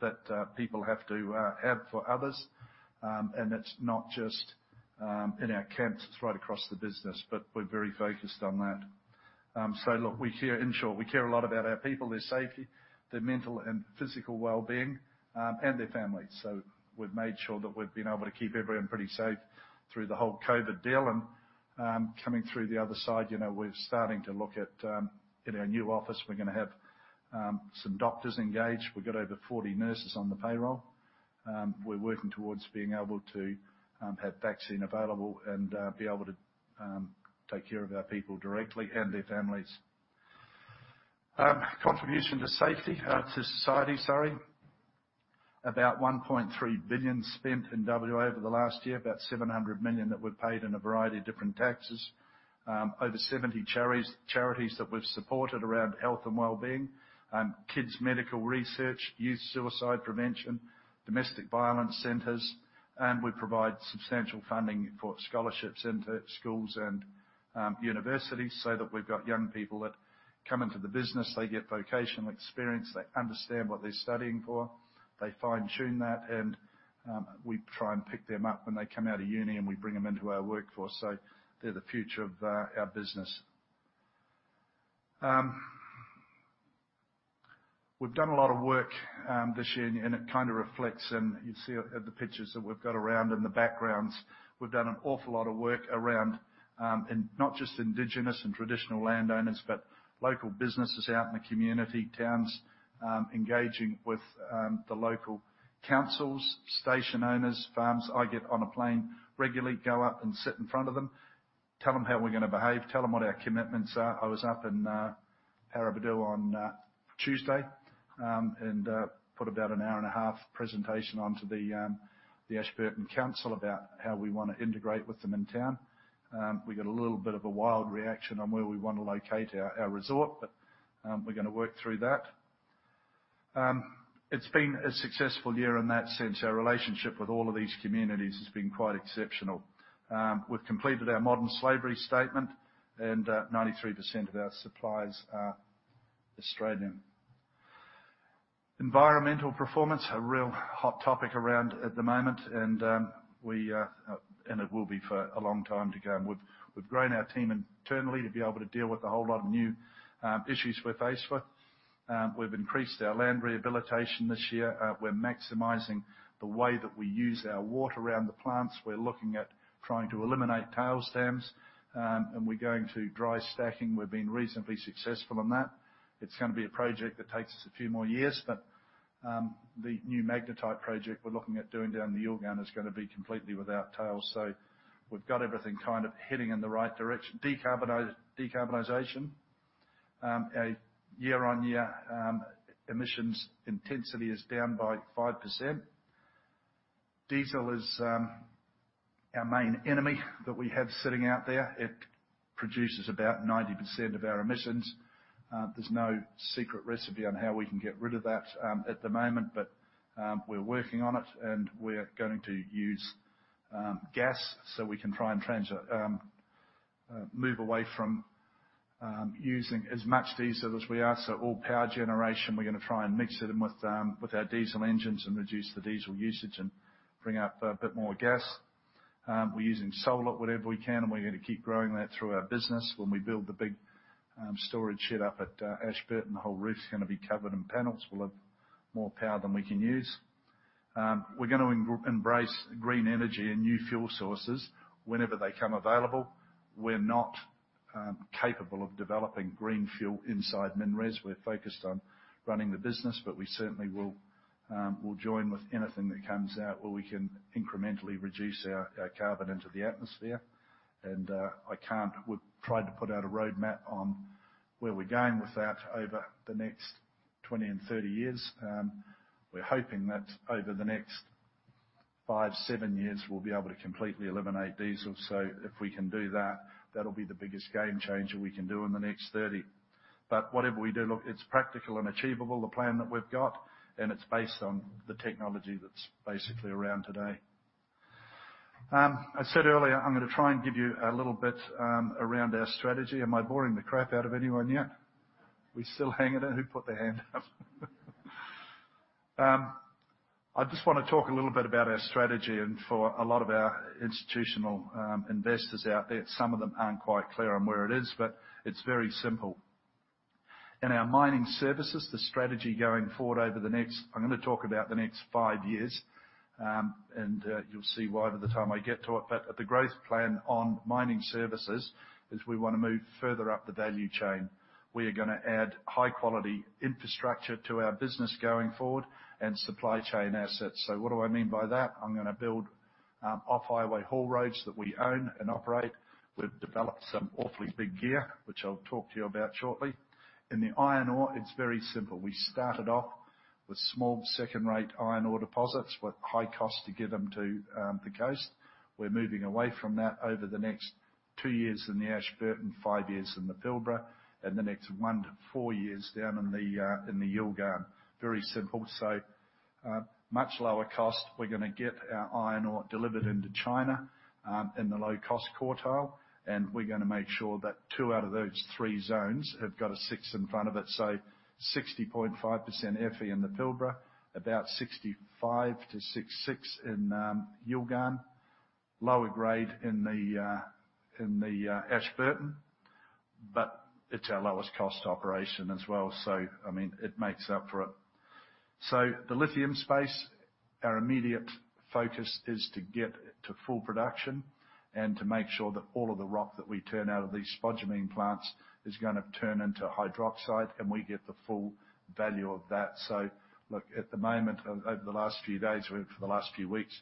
that people have to have for others. It's not just in our camps, it's right across the business, but we're very focused on that. Look, we care. In short, we care a lot about our people, their safety, their mental and physical well-being, and their families. We've made sure that we've been able to keep everyone pretty safe through the whole COVID deal. Coming through the other side, you know, we're starting to look at in our new office, we're gonna have some doctors engaged. We've got over 40 nurses on the payroll. We're working towards being able to have vaccine available and be able to take care of our people directly and their families. Contribution to safety to society, sorry. 1.3 billion spent in WA over the last year. 700 million that were paid in a variety of different taxes. Over 70 charities that we've supported around health and wellbeing. Kids medical research, youth suicide prevention, domestic violence centers, and we provide substantial funding for scholarships into schools and universities so that we've got young people that come into the business. They get vocational experience. They understand what they're studying for. They fine-tune that, and we try and pick them up when they come out of uni, and we bring them into our workforce. They're the future of our business. We've done a lot of work this year and it kinda reflects and you see at the pictures that we've got around in the backgrounds. We've done an awful lot of work around and not just Indigenous and traditional landowners, but local businesses out in the community, towns, engaging with the local councils, station owners, farms. I get on a plane regularly, go up and sit in front of them, tell them how we're gonna behave, tell them what our commitments are. I was up in Paraburdoo on Tuesday and put about an hour and a half presentation onto the Ashburton Council about how we wanna integrate with them in town. We got a little bit of a wild reaction on where we wanna locate our resort, but we're gonna work through that. It's been a successful year in that sense. Our relationship with all of these communities has been quite exceptional. We've completed our modern slavery statement and 93% of our suppliers are Australian. Environmental performance is a real hot topic around at the moment, and it will be for a long time to come. We've grown our team internally to be able to deal with a whole lot of new issues we're faced with. We've increased our land rehabilitation this year. We're maximizing the way that we use our water around the plants. We're looking at trying to eliminate tailings dams, and we're going to dry stacking. We've been reasonably successful on that. It's gonna be a project that takes us a few more years, but the new magnetite project we're looking at doing down the Yilgarn is gonna be completely without tailings. We've got everything kind of heading in the right direction. Decarbonization. Year-on-year emissions intensity is down by 5%. Diesel is our main enemy that we have sitting out there. It produces about 90% of our emissions. There's no secret recipe on how we can get rid of that at the moment, but we're working on it and we're going to use gas so we can try and move away from using as much diesel as we are. All power generation, we're gonna try and mix it in with our diesel engines and reduce the diesel usage and bring up a bit more gas. We're using solar wherever we can, and we're gonna keep growing that through our business. When we build the big storage shed up at Ashburton, the whole roof's gonna be covered in panels. We'll have more power than we can use. We're gonna embrace green energy and new fuel sources whenever they come available. We're not capable of developing green fuel inside MinRes. We're focused on running the business, but we certainly will join with anything that comes out where we can incrementally reduce our carbon into the atmosphere. We've tried to put out a roadmap on where we're going with that over the next 20 and 30 years. We're hoping that over the next five, seven years, we'll be able to completely eliminate diesel. If we can do that'll be the biggest game changer we can do in the next 30. Whatever we do, look, it's practical and achievable, the plan that we've got, and it's based on the technology that's basically around today. I said earlier, I'm gonna try and give you a little bit around our strategy. Am I boring the crap out of anyone yet? We're still hanging in. Who put their hand up? I just wanna talk a little bit about our strategy and for a lot of our institutional investors out there. Some of them aren't quite clear on where it is, but it's very simple. In our mining services, the strategy going forward over the next. I'm gonna talk about the next five years, and you'll see why by the time I get to it. The growth plan on mining services is we wanna move further up the value chain. We are gonna add high quality infrastructure to our business going forward and supply chain assets. What do I mean by that? I'm gonna build off-highway haul roads that we own and operate. We've developed some awfully big gear, which I'll talk to you about shortly. In the iron ore, it's very simple. We started off with small second-rate iron ore deposits with high cost to get them to the coast. We're moving away from that over the next two years in the Ashburton, five years in the Pilbara, and the next one-four years down in the Yilgarn. Very simple. Much lower cost. We're gonna get our iron ore delivered into China, in the low-cost quartile, and we're gonna make sure that two out of those three zones have got a six in front of it. 60.5% Fe in the Pilbara, about 65%-66% in Yilgarn. Lower grade in the Ashburton, but it's our lowest cost operation as well. I mean, it makes up for it. The lithium space, our immediate focus is to get to full production and to make sure that all of the rock that we turn out of these spodumene plants is gonna turn into hydroxide, and we get the full value of that. Look, at the moment, over the last few days, or for the last few weeks,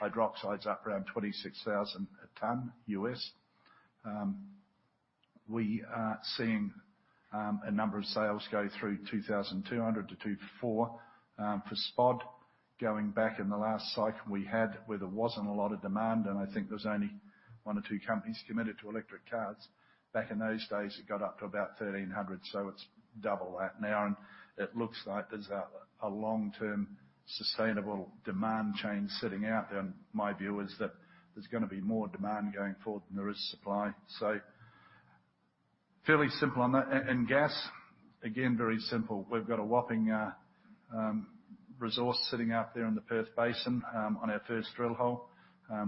hydroxide's up around $26,000 a ton US. We are seeing a number of sales go through 2,200-2,400 for spod. Going back in the last cycle we had, where there wasn't a lot of demand, and I think there's only one or two companies committed to electric cars. Back in those days, it got up to about $1,300, so it's double that now. It looks like there's a long-term sustainable demand chain sitting out there. My view is that there's gonna be more demand going forward than there is supply. So fairly simple on that. Gas, again, very simple. We've got a whopping resource sitting out there in the Perth Basin on our first drill hole.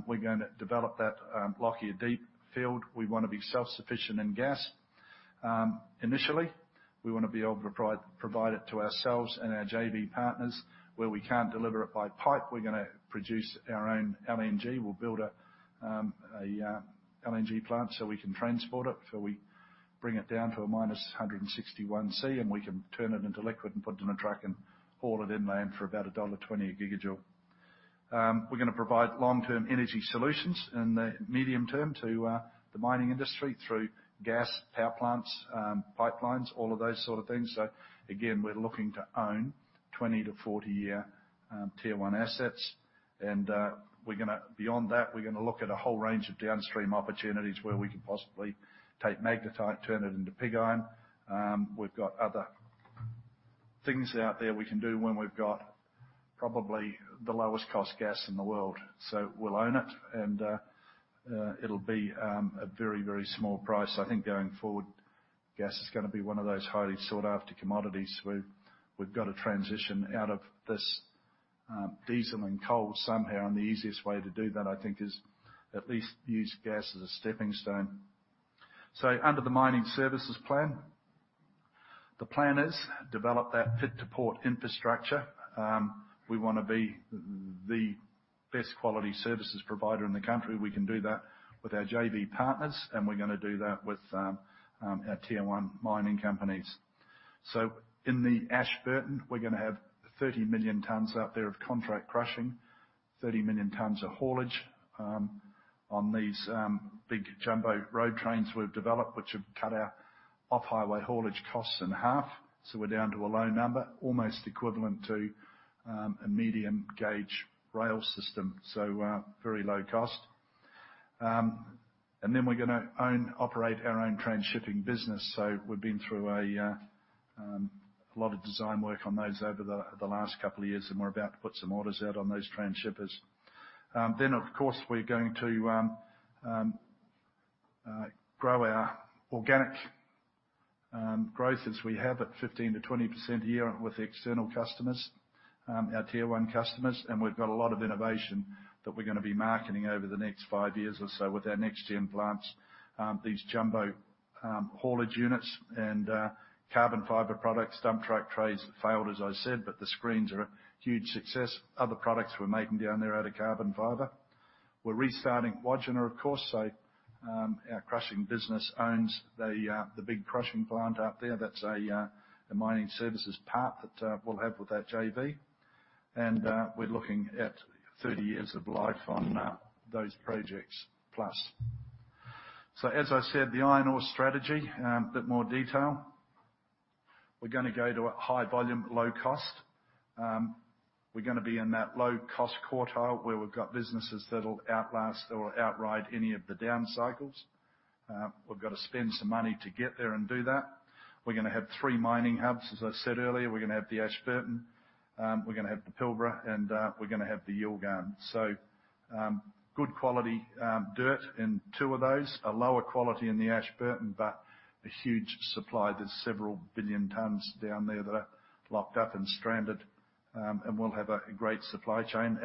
We're going to develop that Lockyer Deep field. We wanna be self-sufficient in gas. Initially, we wanna be able to provide it to ourselves and our JV partners. Where we can't deliver it by pipe, we're gonna produce our own LNG. We'll build a LNG plant so we can transport it before we bring it down to a minus 161°C, and we can turn it into liquid and put it in a truck and haul it inland for about AUD 1.20 a GJ. We're gonna provide long-term energy solutions in the medium term to the mining industry through gas, power plants, pipelines, all of those sort of things. Again, we're looking to own 20- to 40-year tier one assets. Beyond that, we're gonna look at a whole range of downstream opportunities where we could possibly take magnetite, turn it into pig iron. We've got other things out there we can do when we've got probably the lowest cost gas in the world. We'll own it, and it'll be a very, very small price. I think going forward, gas is gonna be one of those highly sought-after commodities. We've got to transition out of this diesel and coal somehow, and the easiest way to do that, I think, is at least use gas as a stepping stone. Under the mining services plan, the plan is to develop that pit-to-port infrastructure. We wanna be the best quality services provider in the country. We can do that with our JV partners, and we're gonna do that with our Tier 1 mining companies. In the Ashburton, we're gonna have 30 million tons out there of contract crushing, 30 million tons of haulage on these big jumbo road trains we've developed, which have cut our off-highway haulage costs in half. We're down to a low number, almost equivalent to a medium gauge rail system. Very low cost. We're gonna own, operate our own transshipping business. We've been through a lot of design work on those over the last couple of years, and we're about to put some orders out on those transshippers. We're going to grow our organic growth as we have at 15%-20% a year with external customers, our tier one customers. We've got a lot of innovation that we're gonna be marketing over the next five years or so with our next-gen plants. These jumbo haulage units and carbon fiber products. Dump truck trays failed, as I said, but the screens are a huge success. Other products we're making down there out of carbon fiber. We're restarting Wodgina, of course, so our crushing business owns the big crushing plant out there. That's a mining services part that we'll have with our JV. We're looking at 30 years of life on those projects, plus. As I said, the iron ore strategy, a bit more detail. We're gonna go to a high volume, low cost. We're gonna be in that low-cost quartile where we've got businesses that'll outlast or outride any of the down cycles. We've got to spend some money to get there and do that. We're gonna have three mining hubs, as I said earlier. We're gonna have the Ashburton, we're gonna have the Pilbara, and we're gonna have the Yilgarn. Good quality dirt in two of those. A lower quality in the Ashburton, but a huge supply. There's several billion tons down there that are locked up and stranded, and we'll have a great supply chain.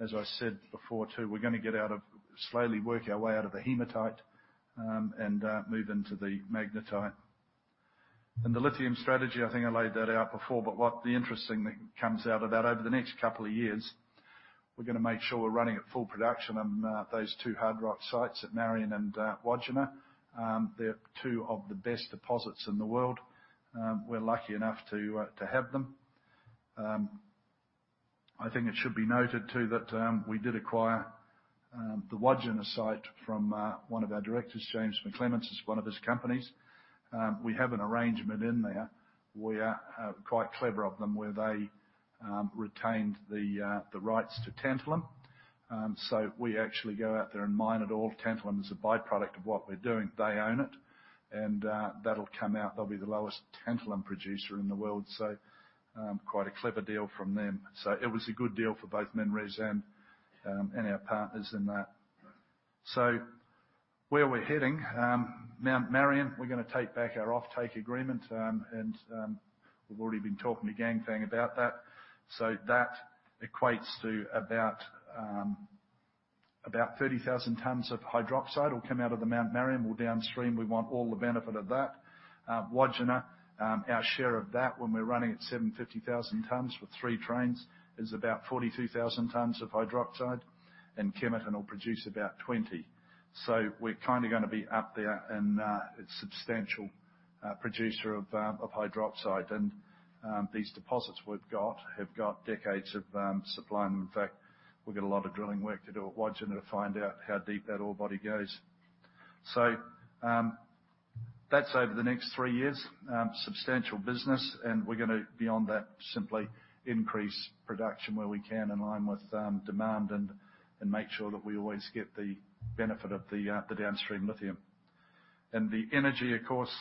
As I said before, too, we're gonna slowly work our way out of the hematite and move into the magnetite. The lithium strategy, I think I laid that out before. What's interesting that comes out of that, over the next couple of years, we're gonna make sure we're running at full production on that, those two hard rock sites at Marion and Wodgina. They're two of the best deposits in the world. We're lucky enough to have them. I think it should be noted too that we did acquire the Wodgina site from one of our directors, James McClements. It's one of his companies. We have an arrangement in there where quite clever of them, where they retained the rights to tantalum. So we actually go out there and mine. All tantalum is a by-product of what we're doing. They own it. That'll come out. They'll be the lowest tantalum producer in the world. Quite a clever deal from them. It was a good deal for both MinRes and our partners in that. Where we're heading. Mount Marion, we're gonna take back our offtake agreement. We've already been talking to Ganfeng about that. That equates to about 30,000 tons of hydroxide will come out of the Mount Marion. Well, downstream, we want all the benefit of that. Wodgina, our share of that when we're running at 750,000 tons with three trains is about 42,000 tons of hydroxide. Kemerton will produce about 20. We're kind of gonna be up there and a substantial producer of hydroxide. These deposits we've got have got decades of supply. In fact, we've got a lot of drilling work to do at Wodgina to find out how deep that ore body goes. That's over the next three years, substantial business. We're gonna, beyond that, simply increase production where we can in line with, demand and make sure that we always get the benefit of the downstream lithium. The energy, of course,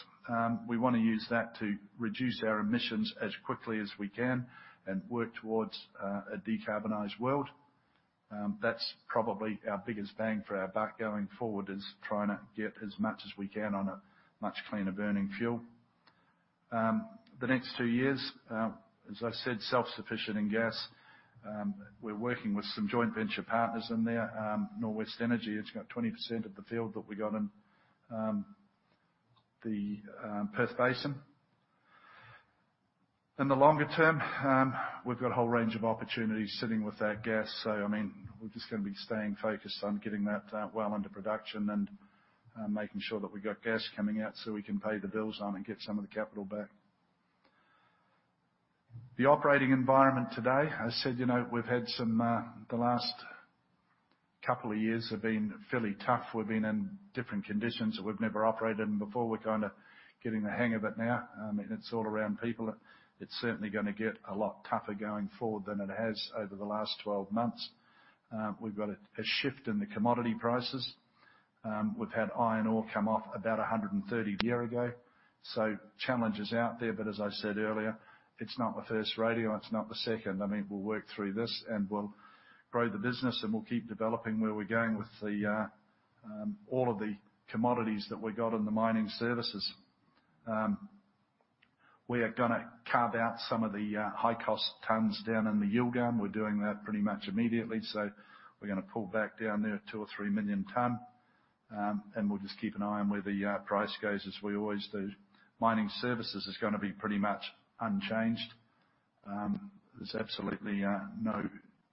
we wanna use that to reduce our emissions as quickly as we can and work towards, a decarbonized world. That's probably our biggest bang for our buck going forward, is trying to get as much as we can on a much cleaner burning fuel. The next two years, as I said, self-sufficient in gas. We're working with some joint venture partners in there. Norwest Energy, it's got 20% of the field that we got in the Perth Basin. In the longer term, we've got a whole range of opportunities sitting with our gas. I mean, we're just gonna be staying focused on getting that well under production and making sure that we got gas coming out so we can pay the bills on and get some of the capital back. The operating environment today, I said, you know, we've had some. The last couple of years have been fairly tough. We've been in different conditions that we've never operated in before. We're kinda getting the hang of it now. I mean, it's all around people. It's certainly gonna get a lot tougher going forward than it has over the last 12 months. We've got a shift in the commodity prices. We've had iron ore come off about 130 years ago, so challenge is out there. As I said earlier, it's not my first rodeo and it's not the second. I mean, we'll work through this and we'll grow the business and we'll keep developing where we're going with all of the commodities that we got in Mining Services. We are gonna carve out some of the high-cost tonnes down in the Yilgarn. We're doing that pretty much immediately, so we're gonna pull back down there 2 or 3 million tonnes. We'll just keep an eye on where the price goes, as we always do. Mining Services is gonna be pretty much unchanged. There's absolutely no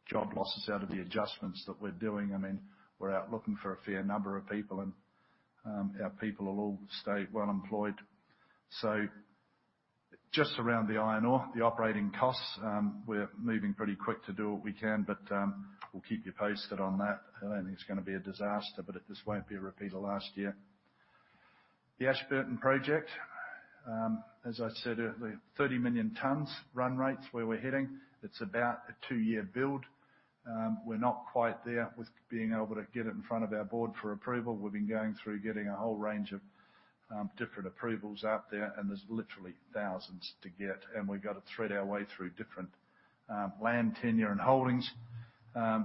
job losses out of the adjustments that we're doing. I mean, we're out looking for a fair number of people, and our people will all stay well employed. Just around the iron ore, the operating costs, we're moving pretty quick to do what we can, but we'll keep you posted on that. I don't think it's gonna be a disaster, but it just won't be a repeat of last year. The Ashburton Project, as I said earlier, 30 million tons run rate where we're heading. It's about a two-year build. We're not quite there with being able to get it in front of our board for approval. We've been going through getting a whole range of different approvals out there, and there's literally thousands to get, and we've got to thread our way through different land tenure and holdings.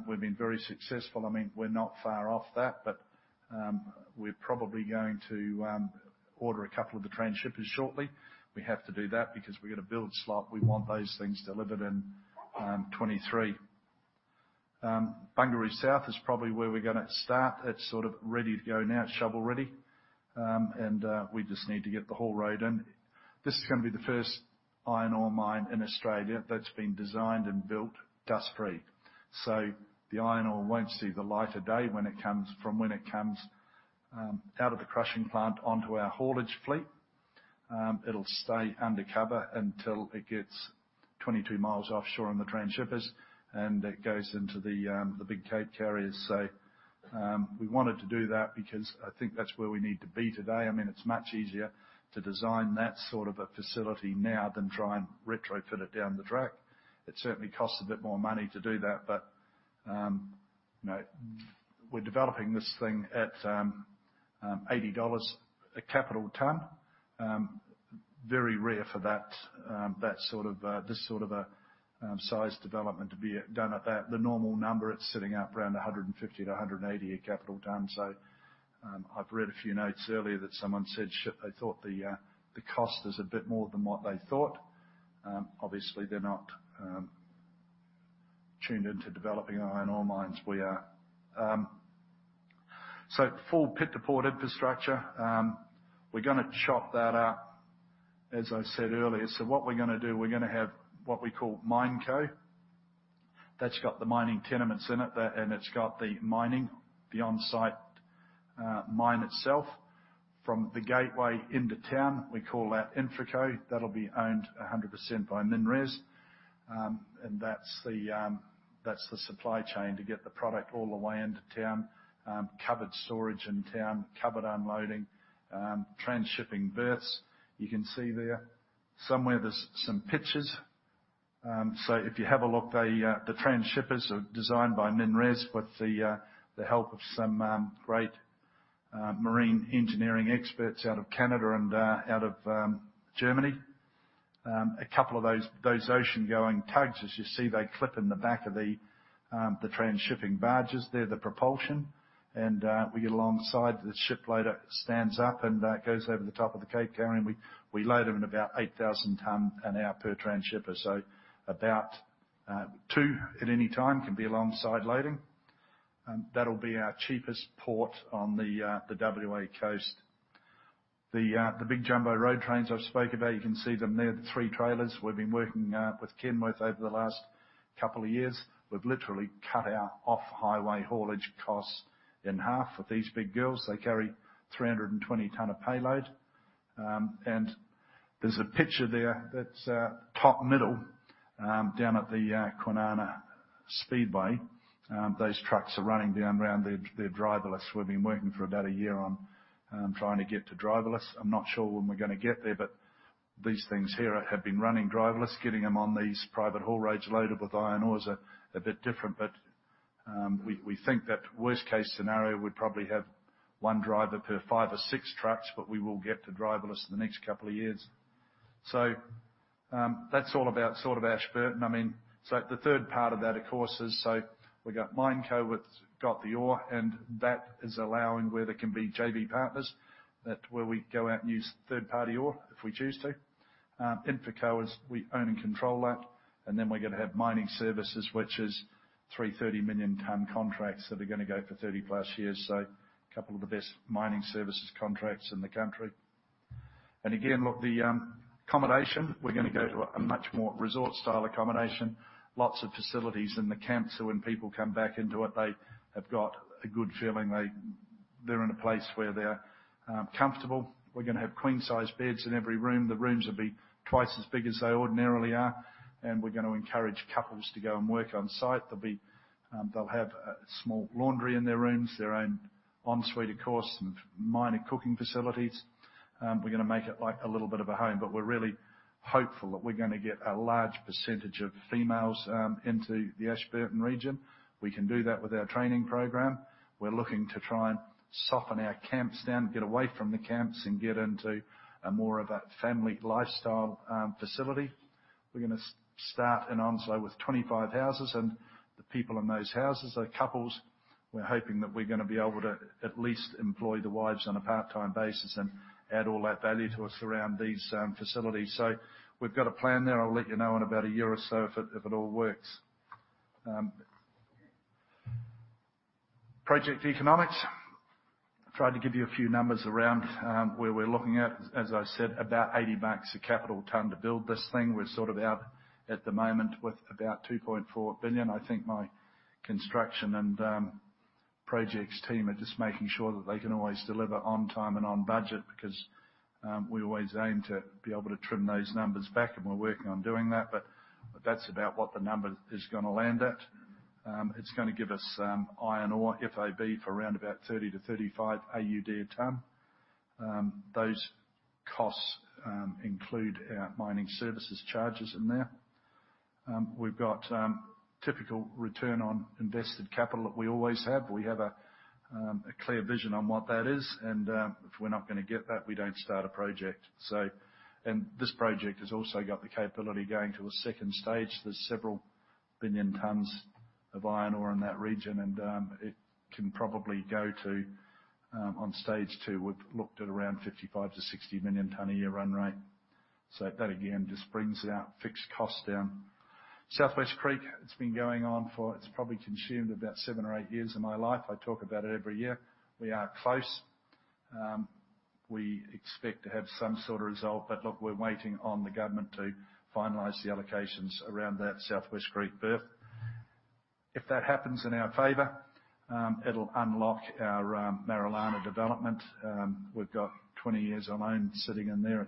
We've been very successful. I mean, we're not far off that, but we're probably going to order a couple of the transshippers shortly. We have to do that because we've got to build slot. We want those things delivered in 2023. Bungaree South is probably where we're gonna start. It's sort of ready to go now. It's shovel-ready. We just need to get the haul road in. This is gonna be the first iron ore mine in Australia that's been designed and built dust-free. The iron ore won't see the light of day when it comes out of the crushing plant onto our haulage fleet. It'll stay undercover until it gets 22 miles offshore on the transshippers, and it goes into the big cape carriers. We wanted to do that because I think that's where we need to be today. I mean, it's much easier to design that sort of a facility now than try and retrofit it down the track. It certainly costs a bit more money to do that, but, you know, we're developing this thing at 80 dollars a capital tonne. Very rare for this sort of size development to be done at that. The normal number, it's sitting up around 150-180 a capital tonne. I've read a few notes earlier that someone said, shit, they thought the cost is a bit more than what they thought. Obviously they're not tuned into developing iron ore mines. We are. Full pit to port infrastructure. We're gonna chop that up, as I said earlier. What we're gonna do, we're gonna have what we call MineCo. That's got the mining tenements in it there, and it's got the mining, the on-site mine itself. From the gateway into town, we call that InfraCo. That'll be owned 100% by MinRes. That's the supply chain to get the product all the way into town. Covered storage in town, covered unloading, transshipping berths. You can see there somewhere there's some pictures. If you have a look, the transshippers are designed by MinRes with the help of some great marine engineering experts out of Canada and out of Germany. A couple of those oceangoing tugs, as you see, clip in the back of the transshipping barges there, the propulsion. We get alongside, the ship loader stands up and goes over the top of the cape carrier, and we load them at about 8,000 tonnes an hour per transshipper. About two at any time can be alongside loading. That'll be our cheapest port on the WA coast. The big jumbo road trains I've spoke about, you can see them there, the three trailers. We've been working with Kenworth over the last couple of years. We've literally cut our off-highway haulage costs in half with these big girls. They carry 320 tonnes of payload. There's a picture there that's top middle, down at the Kwinana Speedway. Those trucks are running down around. They're driverless. We've been working for about a year on trying to get to driverless. I'm not sure when we're gonna get there, but these things here have been running driverless. Getting them on these private haul roads loaded with iron ore is a bit different. We think that worst-case scenario, we'd probably have one driver per five or six trucks, but we will get to driverless in the next couple of years. That's all about sort of Ashburton. I mean, the third part of that, of course, is we've got MineCo, which has got the ore, and that is allowing where there can be JV partners. That's where we go out and use third-party ore if we choose to. InfraCo is what we own and control. We're gonna have mining services, which is three 30-million-ton contracts that are gonna go for 30+ years. A couple of the best mining services contracts in the country. Look, the accommodation, we're gonna go to a much more resort-style accommodation. Lots of facilities in the camp, so when people come back into it, they have got a good feeling. They're in a place where they are comfortable. We're gonna have queen-size beds in every room. The rooms will be twice as big as they ordinarily are. We're gonna encourage couples to go and work on site. There'll be, they'll have a small laundry in their rooms, their own en suite, of course, and minor cooking facilities. We're gonna make it like a little bit of a home. We're really hopeful that we're gonna get a large percentage of females into the Ashburton region. We can do that with our training program. We're looking to try and soften our camps down, get away from the camps, and get into a more of a family lifestyle facility. We're gonna start in Onslow with 25 houses and the people in those houses are couples. We're hoping that we're gonna be able to at least employ the wives on a part-time basis and add all that value to us around these facilities. We've got a plan there. I'll let you know in about a year or so if it all works. Project economics. I tried to give you a few numbers around where we're looking at. As I said, about 80 bucks a capital ton to build this thing. We're sort of out at the moment with about 2.4 billion. I think my construction and projects team are just making sure that they can always deliver on time and on budget because we always aim to be able to trim those numbers back, and we're working on doing that. But that's about what the number is gonna land at. It's gonna give us iron ore FOB for around about AUD 30-AUD 35 a ton. Those costs include our mining services charges in there. We've got typical return on invested capital that we always have. We have a clear vision on what that is, and if we're not gonna get that, we don't start a project. This project has also got the capability of going to a second stage. There's several billion tons of iron ore in that region, and it can probably go to on stage two, we've looked at around 55-60 million tons a year run rate. That again just brings our fixed costs down. Southwest Creek, it's been going on. It's probably consumed about seven or eight years of my life. I talk about it every year. We are close. We expect to have some sort of result. Look, we're waiting on the government to finalize the allocations around that Southwest Creek berth. If that happens in our favor, it'll unlock our Marillana development. We've got 20 years alone sitting in there at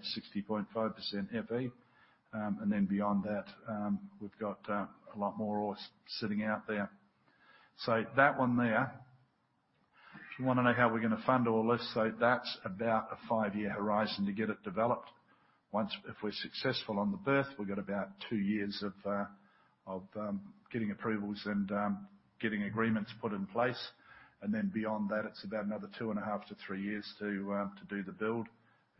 60.5% Fe. We've got a lot more ores sitting out there. That one there, if you wanna know how we're gonna fund all this, that's about a five-year horizon to get it developed. If we're successful in Perth, we've got about two years of getting approvals and getting agreements put in place. Beyond that, it's about another two in a half to three years to do the build.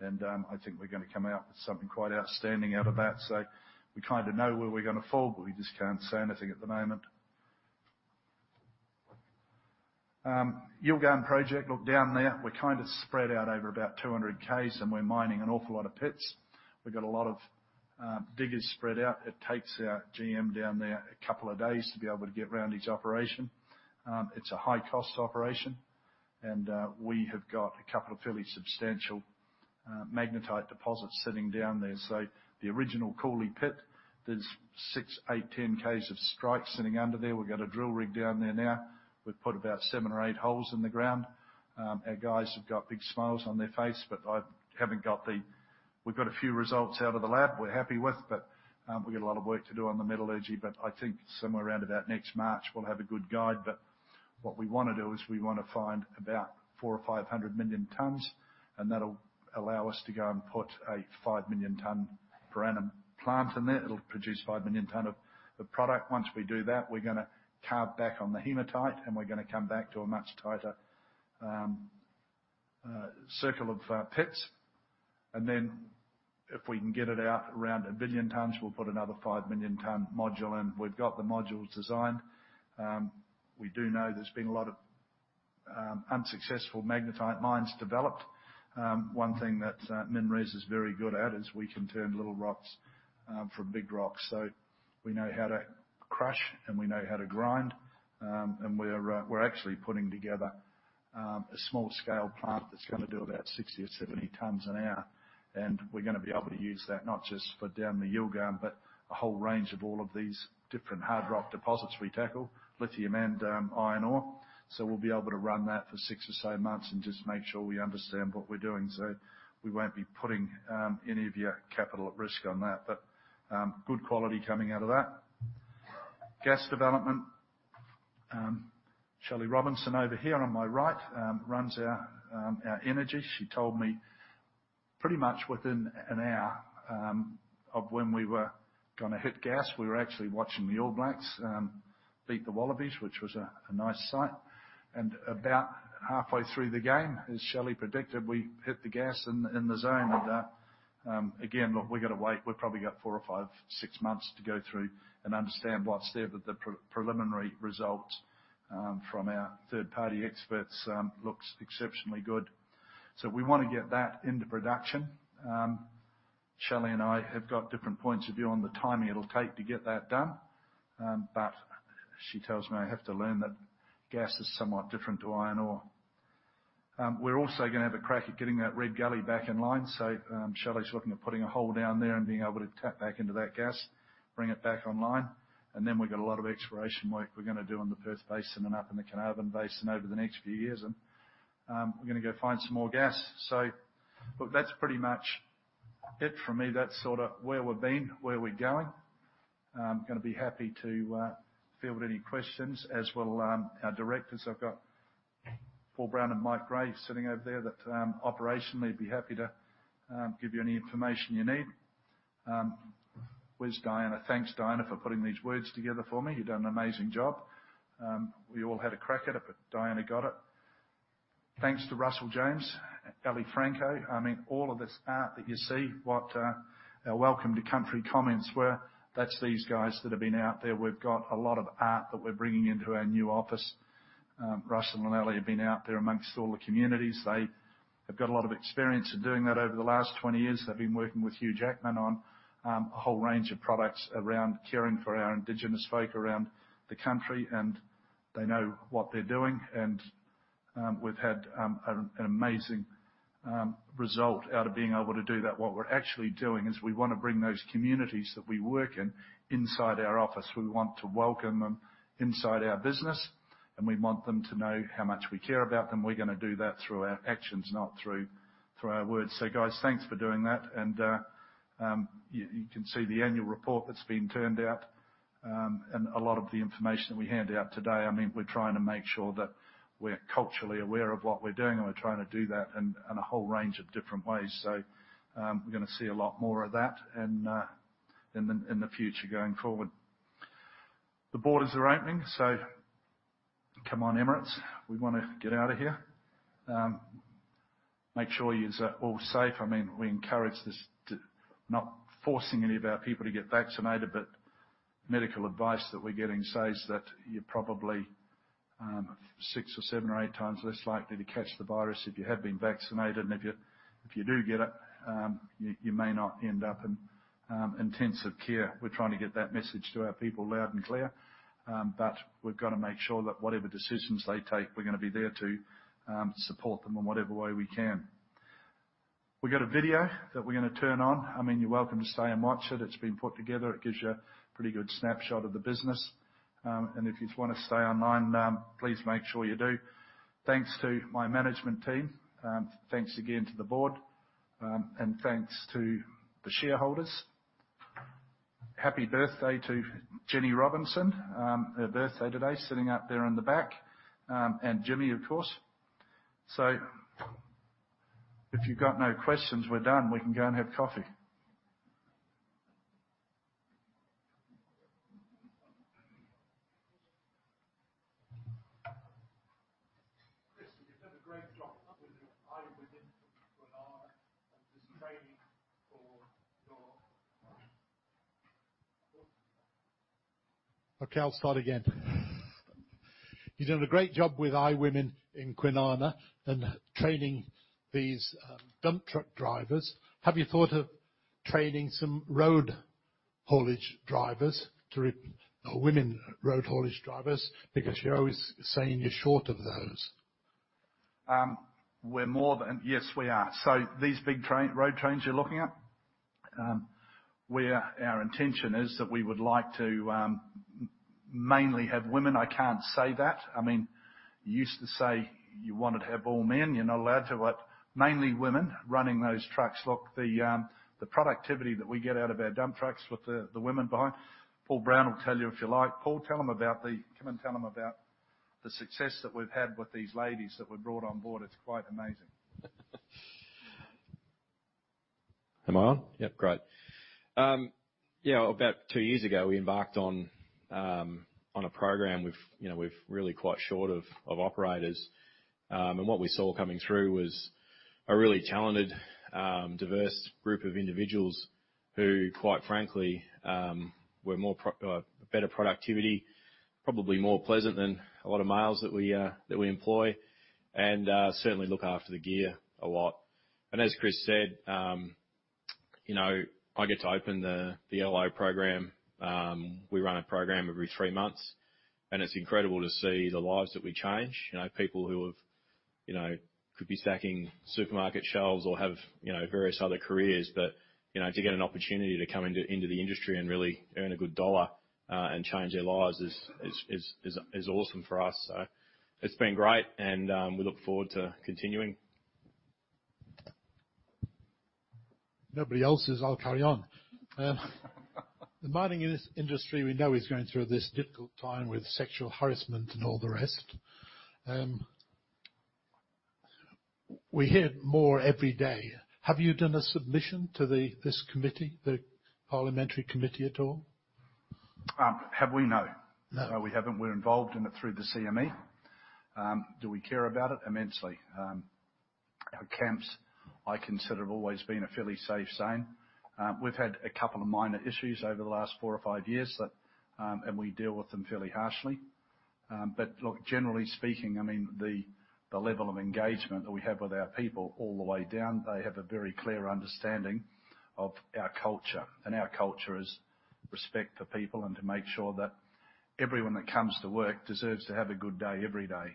I think we're gonna come out with something quite outstanding out of that. We kind of know where we're gonna land, but we just can't say anything at the moment. Yilgarn project. Look down there, we're kind of spread out over about 200 km and we're mining an awful lot of pits. We've got a lot of diggers spread out. It takes our GM down there a couple of days to be able to get around each operation. It's a high-cost operation. We have got a couple of fairly substantial magnetite deposits sitting down there. The original Cooley pit, there's 6, 8, 10 km of strike sitting under there. We've got a drill rig down there now. We've put about seven or eight holes in the ground. Our guys have got big smiles on their face. We've got a few results out of the lab we're happy with, but we've got a lot of work to do on the metallurgy. I think somewhere around about next March we'll have a good guide. What we want to do is we want to find about 400 or 500 million tons, and that'll allow us to go and put a 5 million ton per annum plant in there. It'll produce 5 million ton of product. Once we do that, we're going to carve back on the hematite and we're going to come back to a much tighter circle of pits. If we can get it out around 1 billion tons, we'll put another 5 million ton module in. We've got the modules designed. We do know there's been a lot of unsuccessful magnetite mines developed. One thing that MinRes is very good at is we can turn little rocks from big rocks. We know how to crush and we know how to grind. We're actually putting together a small scale plant that's gonna do about 60 or 70 tons an hour. We're gonna be able to use that not just for down the Yilgarn, but a whole range of all of these different hard rock deposits we tackle, lithium and iron ore. We'll be able to run that for six or so months and just make sure we understand what we're doing. We won't be putting any of your capital at risk on that. Good quality coming out of that. Gas development. Shelley Robinson over here on my right runs our energy. She told me pretty much within an hour of when we were gonna hit gas. We were actually watching the All Blacks beat the Wallabies, which was a nice sight. About halfway through the game, as Shelley predicted, we hit the gas in the zone. Again, look, we've gotta wait. We've probably got four or five, six months to go through and understand what's there. The preliminary result from our third-party experts looks exceptionally good. We wanna get that into production. Shelley and I have got different points of view on the timing it'll take to get that done. She tells me I have to learn that gas is somewhat different to iron ore. We're also gonna have a crack at getting that Red Gully back in line. Shelley's looking at putting a hole down there and being able to tap back into that gas, bring it back online. Then we've got a lot of exploration work we're gonna do on the Perth Basin and up in the Carnarvon Basin over the next few years. We're gonna go find some more gas. Look, that's pretty much it for me. That's sorta where we've been, where we're going. Gonna be happy to field any questions, as will our directors. I've got Paul Brown and Mike Gray sitting over there that operationally'd be happy to give you any information you need. Where's Diana? Thanks, Diana, for putting these words together for me. You done an amazing job. We all had a crack at it, but Diana got it. Thanks to Russell James, Aly Franco. I mean, all of this art that you see, what our Welcome to Country comments were, that's these guys that have been out there. We've got a lot of art that we're bringing into our new office. Russ and Aly have been out there among all the communities. They have got a lot of experience in doing that. Over the last 20 years, they've been working with Hugh Jackman on a whole range of projects around caring for our Indigenous folk around the country, and they know what they're doing. We've had an amazing result out of being able to do that. What we're actually doing is we wanna bring those communities that we work in inside our office. We want to welcome them inside our business, and we want them to know how much we care about them. We're gonna do that through our actions, not through our words. Guys, thanks for doing that. You can see the annual report that's been turned out, and a lot of the information that we handed out today. I mean, we're trying to make sure that we're culturally aware of what we're doing, and we're trying to do that in a whole range of different ways. We're gonna see a lot more of that in the future going forward. The borders are opening, so come on Emirates, we wanna get out of here. Make sure yous are all safe. I mean, we encourage this, not forcing any of our people to get vaccinated, but medical advice that we're getting says that you're probably six or seven or eight times less likely to catch the virus if you have been vaccinated. If you do get it, you may not end up in intensive care. We're trying to get that message to our people loud and clear. We've gotta make sure that whatever decisions they take, we're gonna be there to support them in whatever way we can. We've got a video that we're gonna turn on. I mean, you're welcome to stay and watch it. It's been put together. It gives you a pretty good snapshot of the business. If yous wanna stay online, please make sure you do. Thanks to my management team. Thanks again to the board. Thanks to the shareholders. Happy birthday to Jenny Robinson. Her birthday today, sitting out there in the back. Jimmy, of course. If you've got no questions, we're done. We can go and have coffee. Chris, you're doing a great job with iWomen in Kwinana and training these dump truck drivers. Have you thought of training some road haulage drivers or women road haulage drivers? Because you're always saying you're short of those. Yes, we are. These big train road trains you're looking at, we are, our intention is that we would like to mainly have women. I can't say that. I mean, you used to say you wanted to have all men. You're not allowed to. mainly women running those trucks. Look, the productivity that we get out of our dump trucks with the women behind, Paul Brown will tell you, if you like. Paul, tell him about the success that we've had with these ladies that we brought on board. It's quite amazing. Am I on? Yep, great. Yeah, about two years ago, we embarked on a program. We've, you know, we're really quite short of operators. What we saw coming through was a really talented, diverse group of individuals who, quite frankly, were more or better productivity, probably more pleasant than a lot of males that we employ, and certainly look after the gear a lot. As Chris said, you know, I get to open the LO program. We run a program every three months. It's incredible to see the lives that we change. You know, people who have, you know, could be stacking supermarket shelves or have, you know, various other careers. You know, to get an opportunity to come into the industry and really earn a good dollar, and change their lives is awesome for us. It's been great, and we look forward to continuing. If nobody else is, I'll carry on. The mining industry we know is going through this difficult time with sexual harassment and all the rest. We hear more every day. Have you done a submission to the, this committee, the parliamentary committee at all? Have we? No. No. No, we haven't. We're involved in it through the CME. Do we care about it? Immensely. Our camps, I consider, have always been a fairly safe zone. We've had a couple of minor issues over the last four or five years that and we deal with them fairly harshly. Look, generally speaking, I mean, the level of engagement that we have with our people all the way down, they have a very clear understanding of our culture. Our culture is respect for people and to make sure that everyone that comes to work deserves to have a good day every day.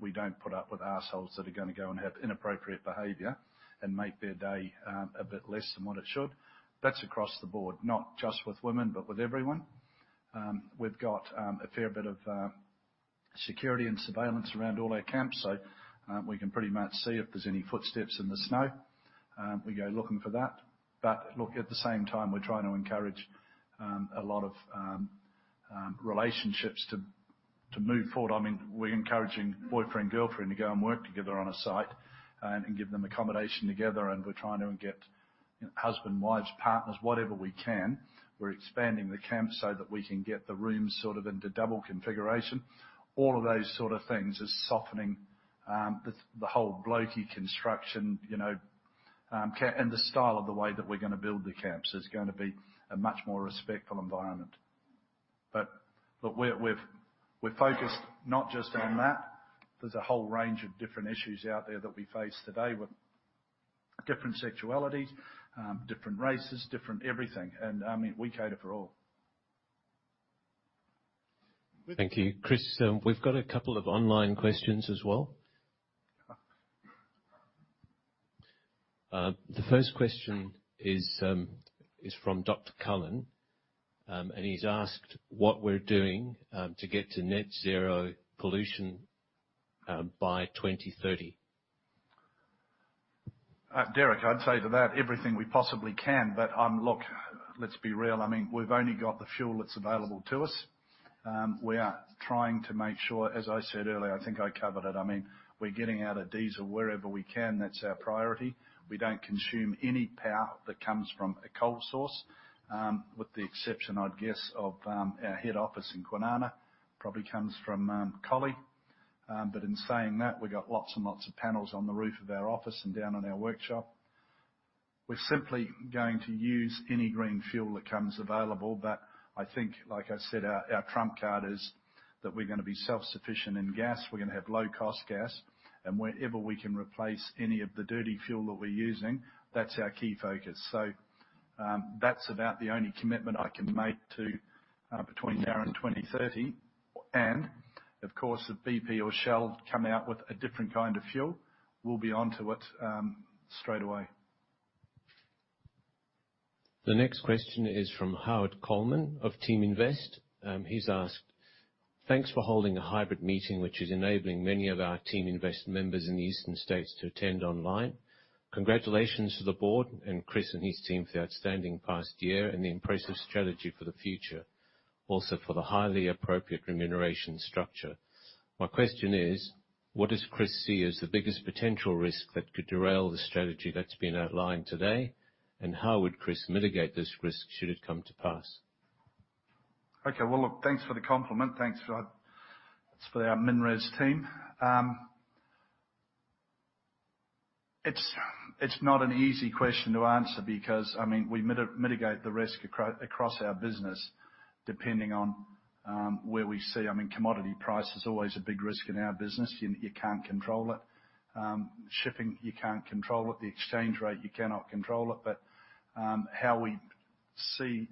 We don't put up with assholes that are gonna go and have inappropriate behavior and make their day a bit less than what it should. That's across the board, not just with women, but with everyone. We've got a fair bit of security and surveillance around all our camps, so we can pretty much see if there's any footsteps in the snow. We go looking for that. But look, at the same time, we're trying to encourage a lot of relationships to move forward. I mean, we're encouraging boyfriend, girlfriend to go and work together on a site and give them accommodation together, and we're trying to get husband, wives, partners, whatever we can. We're expanding the camp so that we can get the rooms sort of into double configuration. All of those sort of things is softening the whole blokey construction, you know, and the style of the way that we're gonna build the camps. It's gonna be a much more respectful environment. Look, we're focused not just on that. There's a whole range of different issues out there that we face today with different sexualities, different races, different everything, and I mean, we cater for all. Thank you. Chris, we've got a couple of online questions as well. Ah. The first question is from Dr. Cullen, and he's asked what we're doing to get to net zero pollution by 2030. Derek, I'd say to that everything we possibly can. Look, let's be real. I mean, we've only got the fuel that's available to us. We are trying to make sure, as I said earlier, I think I covered it. I mean, we're getting out of diesel wherever we can. That's our priority. We don't consume any power that comes from a coal source, with the exception, I'd guess, of our head office in Kwinana, probably comes from Collie. In saying that, we got lots and lots of panels on the roof of our office and down in our workshop. We're simply going to use any green fuel that comes available. I think, like I said, our trump card is that we're gonna be self-sufficient in gas. We're gonna have low-cost gas. Wherever we can replace any of the dirty fuel that we're using, that's our key focus. That's about the only commitment I can make to between now and 2030. Of course, if BP or Shell come out with a different kind of fuel, we'll be onto it straight away. The next question is from Howard Coleman of Teaminvest. He's asked: Thanks for holding a hybrid meeting, which is enabling many of our Teaminvest members in the eastern states to attend online. Congratulations to the board and Chris and his team for the outstanding past year and the impressive strategy for the future, also for the highly appropriate remuneration structure. My question is, what does Chris see as the biggest potential risk that could derail the strategy that's been outlined today? And how would Chris mitigate this risk, should it come to pass? Okay. Well, look, thanks for the compliment. Thanks for that. It's for our MinRes team. It's not an easy question to answer because, I mean, we mitigate the risk across our business, depending on where we see. I mean, commodity price is always a big risk in our business. You can't control it. Shipping, you can't control it. The exchange rate, you cannot control it. But how we see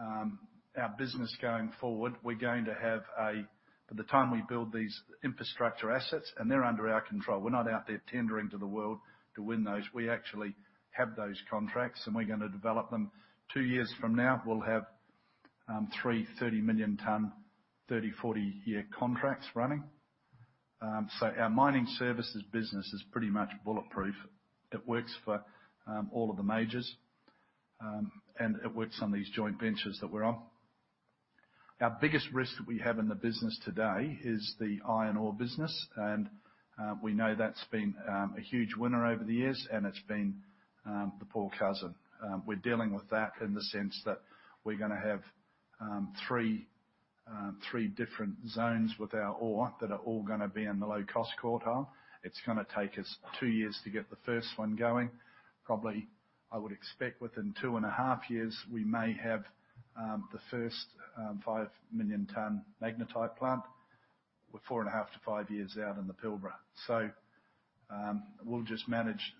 our business going forward. By the time we build these infrastructure assets, and they're under our control. We're not out there tendering to the world to win those. We actually have those contracts, and we're gonna develop them. Two years from now, we'll have three 30-million ton, 30-, 40-year contracts running. So, our mining services business is pretty much bulletproof. It works for all of the majors, and it works on these joint ventures that we're on. Our biggest risk we have in the business today is the iron ore business, and we know that's been a huge winner over the years, and it's been the poor cousin. We're dealing with that in the sense that we're gonna have three different zones with our ore that are all gonna be in the low-cost quartile. It's gonna take us two years to get the first one going. Probably, I would expect within two in a half years, we may have the first 5 million ton magnetite plant. We're four in half to five years out in the Pilbara. We'll just manage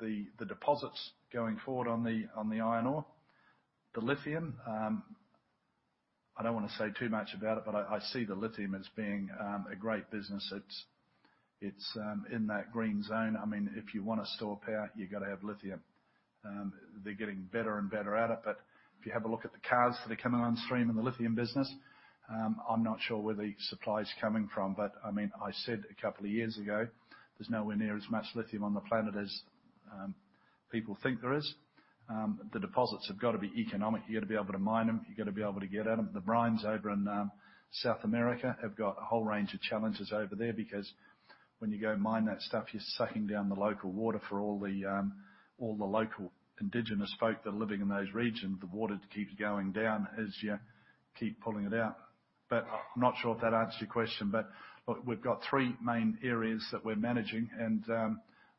the deposits going forward on the iron ore. The lithium, I don't wanna say too much about it, but I see the lithium as being a great business. It's in that green zone. I mean, if you wanna store power, you gotta have lithium. They're getting better and better at it. But if you have a look at the cars that are coming on stream in the lithium business, I'm not sure where the supply's coming from. But, I mean, I said a couple of years ago, there's nowhere near as much lithium on the planet as people think there is. The deposits have gotta be economic. You gotta be able to mine them, you gotta be able to get at 'em. The brines over in South America have got a whole range of challenges over there, because when you go mine that stuff, you're sucking down the local water for all the local indigenous folk that are living in those regions. The water keeps going down as you keep pulling it out. I'm not sure if that answers your question. Look, we've got three main areas that we're managing.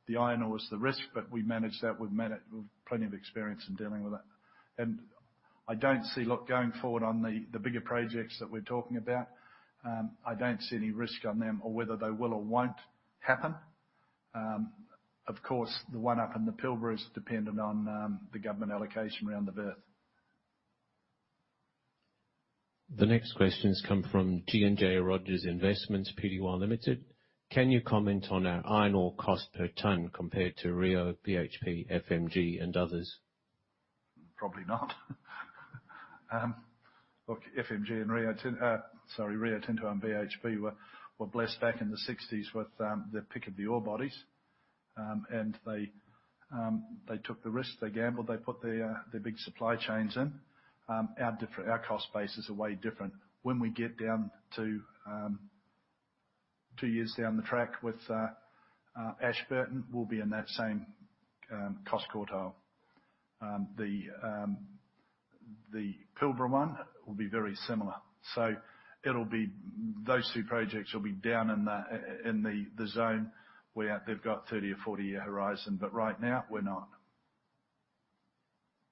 The iron ore is the risk, but we manage that. We've plenty of experience in dealing with that. Look, going forward on the bigger projects that we're talking about, I don't see any risk on them or whether they will or won't happen. Of course, the one up in the Pilbara is dependent on the government allocation around the berth. The next questions come from [G&J Rogers Investments Pty Limited]. Can you comment on iron ore cost per ton compared to Rio, BHP, FMG, and others? Probably not. Look, FMG and Rio Tinto and BHP were blessed back in the 1960s with the pick of the ore bodies. They took the risk. They gambled. They put their big supply chains in. Our cost base is way different. When we get down to two years down the track with Ashburton, we'll be in that same cost quartile. The Pilbara one will be very similar. It'll be. Those two projects will be down in the zone where they've got 30- or 40-year horizon. Right now, we're not.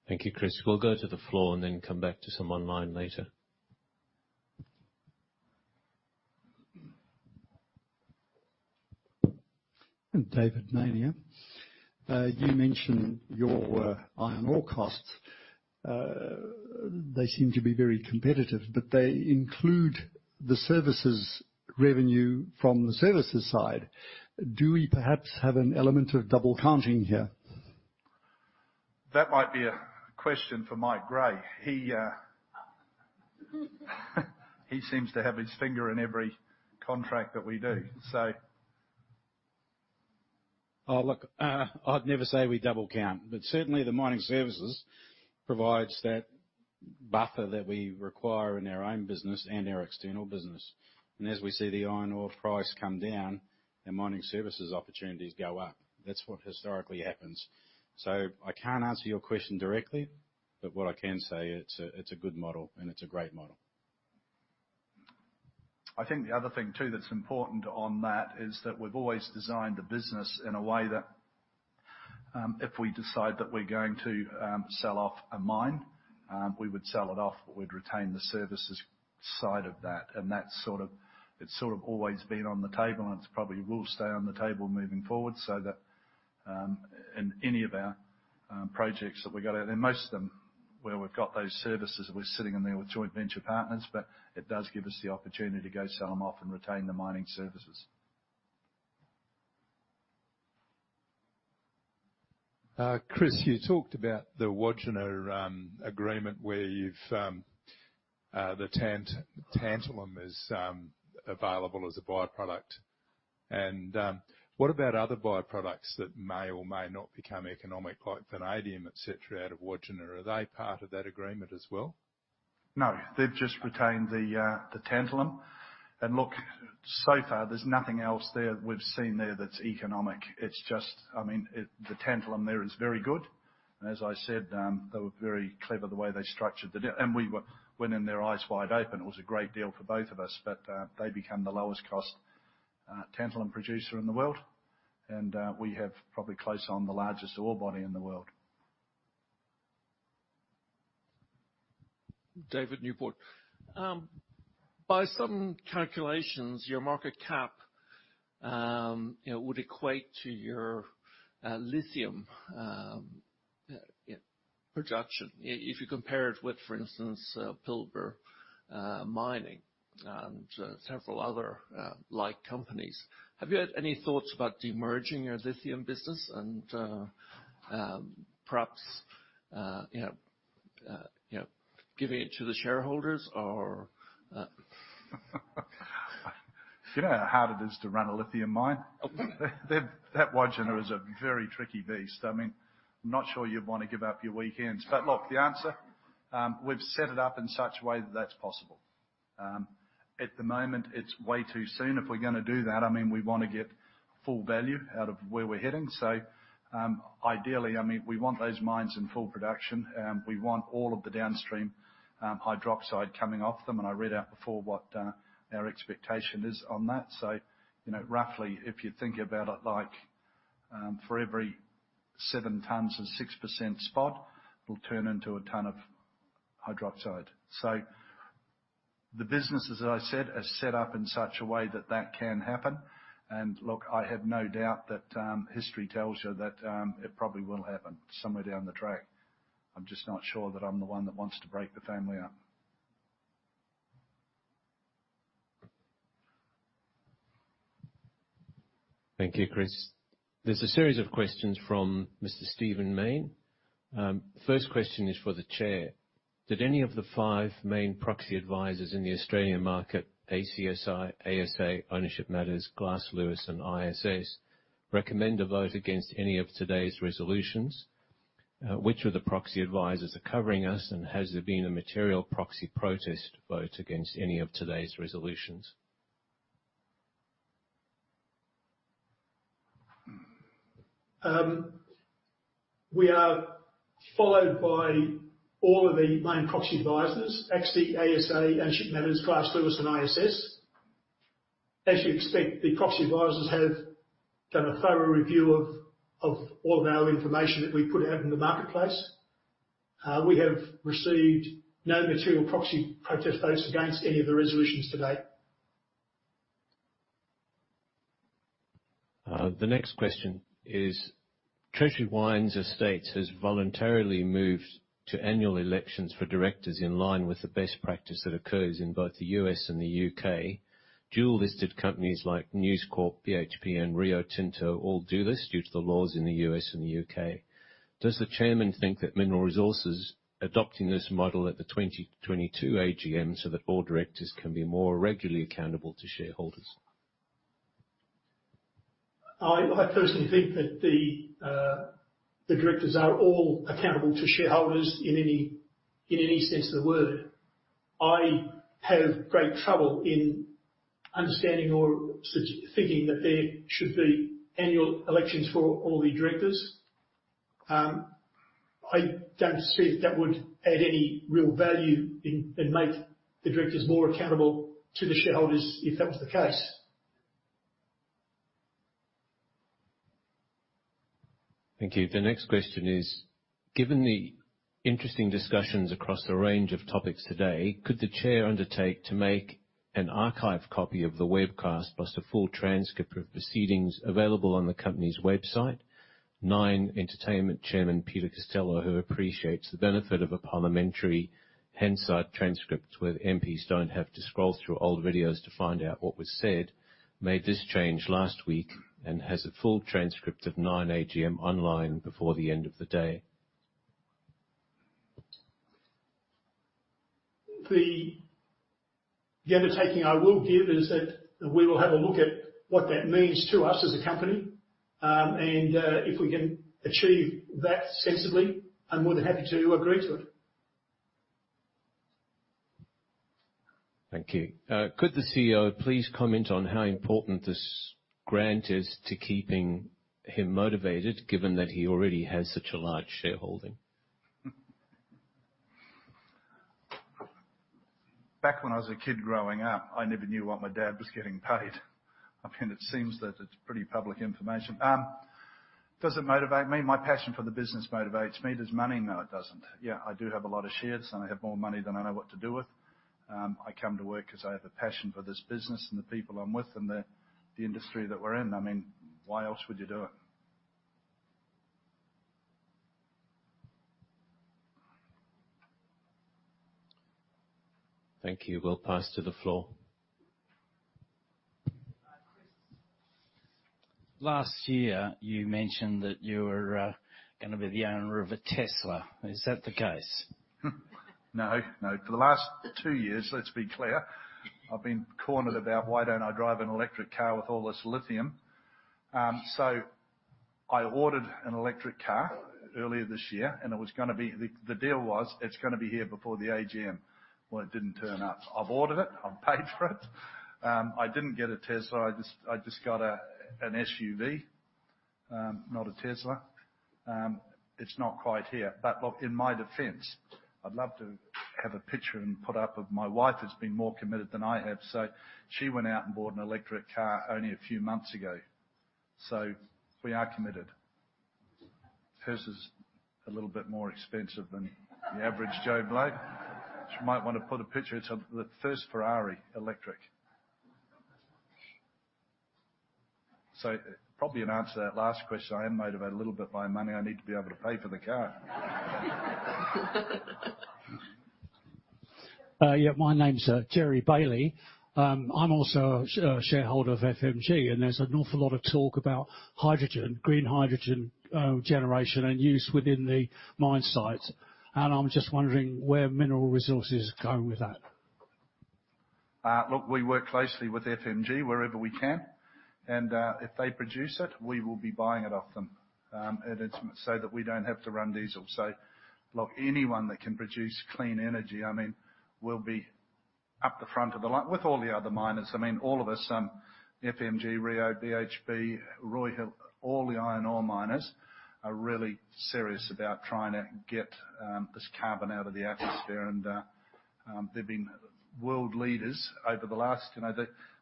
Thank you, Chris. We'll go to the floor and then come back to some online later. You mentioned your iron ore costs. They seem to be very competitive, but they include the services revenue from the services side. Do we perhaps have an element of double counting here? That might be a question for Mike Gray. He seems to have his finger in every contract that we do. So. Oh, look, I'd never say we double count. Certainly, the mining services provides that buffer that we require in our own business and our external business. As we see the iron ore price come down, the mining services opportunities go up. That's what historically happens. I can't answer your question directly, but what I can say, it's a good model and it's a great model. I think the other thing, too, that's important on that is that we've always designed the business in a way that if we decide that we're going to sell off a mine, we would sell it off, but we'd retain the services side of that. That's sort of always been on the table, and it probably will stay on the table moving forward. That, in any of our projects that we got out there, most of them where we've got those services, we're sitting in there with joint venture partners. But it does give us the opportunity to go sell them off and retain the mining services. Chris, you talked about the Wodgina agreement where the tantalum is available as a by-product. What about other by-products that may or may not become economic, like vanadium, et cetera, out of Wodgina? Are they part of that agreement as well? No, they've just retained the tantalum. Look, so far there's nothing else there we've seen that's economic. It's just the tantalum there is very good. As I said, they were very clever the way they structured, and we went in there eyes wide open. It was a great deal for both of us. They become the lowest cost tantalum producer in the world. We have probably close on the largest ore body in the world. David Newport. By some calculations, your market cap, you know, would equate to your lithium production. If you compare it with, for instance, Pilbara Minerals and several other like companies. Have you had any thoughts about demerging your lithium business and, perhaps, you know, giving it to the shareholders or? Do you know how hard it is to run a lithium mine? Oh. That Wodgina is a very tricky beast. I mean, I'm not sure you'd wanna give up your weekends. Look, the answer, we've set it up in such a way that that's possible. At the moment, it's way too soon. If we're gonna do that, I mean, we wanna get full value out of where we're heading. Ideally, I mean, we want those mines in full production, and we want all of the downstream hydroxide coming off them. I read out before what our expectation is on that. You know, roughly, if you think about it, like, for every 7 tons of 6% spodumene, it'll turn into a ton of hydroxide. The businesses, as I said, are set up in such a way that that can happen. Look, I have no doubt that history tells you that it probably will happen somewhere down the track. I'm just not sure that I'm the one that wants to break the family up. Thank you, Chris. There's a series of questions from Mr. Stephen Mayne. First question is for the chair. Did any of the five main proxy advisors in the Australian market, ACSI, ASA, Ownership Matters, Glass Lewis, and ISS, recommend a vote against any of today's resolutions? Which of the proxy advisors are covering us, and has there been a material proxy protest vote against any of today's resolutions? We are followed by all of the main proxy advisors, ACSI, ASA, Ownership Matters, Glass Lewis, and ISS. As you expect, the proxy advisors have done a thorough review of all of our information that we put out in the marketplace. We have received no material proxy protest votes against any of the resolutions to date. The next question is, Treasury Wine Estates has voluntarily moved to annual elections for directors in line with the best practice that occurs in both the U.S. and the U.K. Dual-listed companies like News Corp, BHP, and Rio Tinto all do this due to the laws in the U.S. and the U.K. Does the chairman think that Mineral Resources adopting this model at the 2022 AGM so that all directors can be more regularly accountable to shareholders? I personally think that the directors are all accountable to shareholders in any sense of the word. I have great trouble in understanding or thinking that there should be annual elections for all the directors. I don't see that would add any real value and make the directors more accountable to the shareholders if that was the case. Thank you. The next question is, given the interesting discussions across a range of topics today, could the chair undertake to make an archive copy of the webcast plus a full transcript of proceedings available on the company's website? Nine Entertainment Chairman Peter Costello, who appreciates the benefit of a parliamentary Hansard transcript where MPs don't have to scroll through old videos to find out what was said, made this change last week and has a full transcript of Nine AGM online before the end of the day. The undertaking I will give is that we will have a look at what that means to us as a company. If we can achieve that sensibly, I'm more than happy to agree to it. Thank you. Could the CEO please comment on how important this grant is to keeping him motivated, given that he already has such a large shareholding? Back when I was a kid growing up, I never knew what my dad was getting paid. I mean, it seems that it's pretty public information. Does it motivate me? My passion for the business motivates me. Does money? No, it doesn't. Yeah, I do have a lot of shares, and I have more money than I know what to do with. I come to work 'cause I have a passion for this business and the people I'm with and the industry that we're in. I mean, why else would you do it? Thank you. We'll pass to the floor. Chris. Last year, you mentioned that you were gonna be the owner of a Tesla. Is that the case? No, no. For the last two years, let's be clear, I've been cornered about why don't I drive an electric car with all this lithium. I ordered an electric car earlier this year, and the deal was it's gonna be here before the AGM. Well, it didn't turn up. I've ordered it. I've paid for it. I didn't get a Tesla, I just got an SUV, not a Tesla. It's not quite here. But look, in my defense, I'd love to have a picture and put up of my wife that's been more committed than I have. She went out and bought an electric car only a few months ago. We are committed. Hers is a little bit more expensive than the average Joe Blow. She might wanna put a picture. It's one of the first Ferrari electric. Probably in answer to that last question, I am motivated a little bit by money. I need to be able to pay for the car. Yeah, my name's Gerry Bailey. I'm also a shareholder of FMG, and there's an awful lot of talk about hydrogen, green hydrogen, generation and use within the mine site. I'm just wondering where Mineral Resources is going with that. Look, we work closely with FMG wherever we can. If they produce it, we will be buying it off them, and it's so that we don't have to run diesel. Look, anyone that can produce clean energy, I mean, will be up the front of the line with all the other miners. I mean, all of us, FMG, Rio, BHP, Roy Hill, all the iron ore miners are really serious about trying to get this carbon out of the atmosphere. They've been world leaders over the last, you know,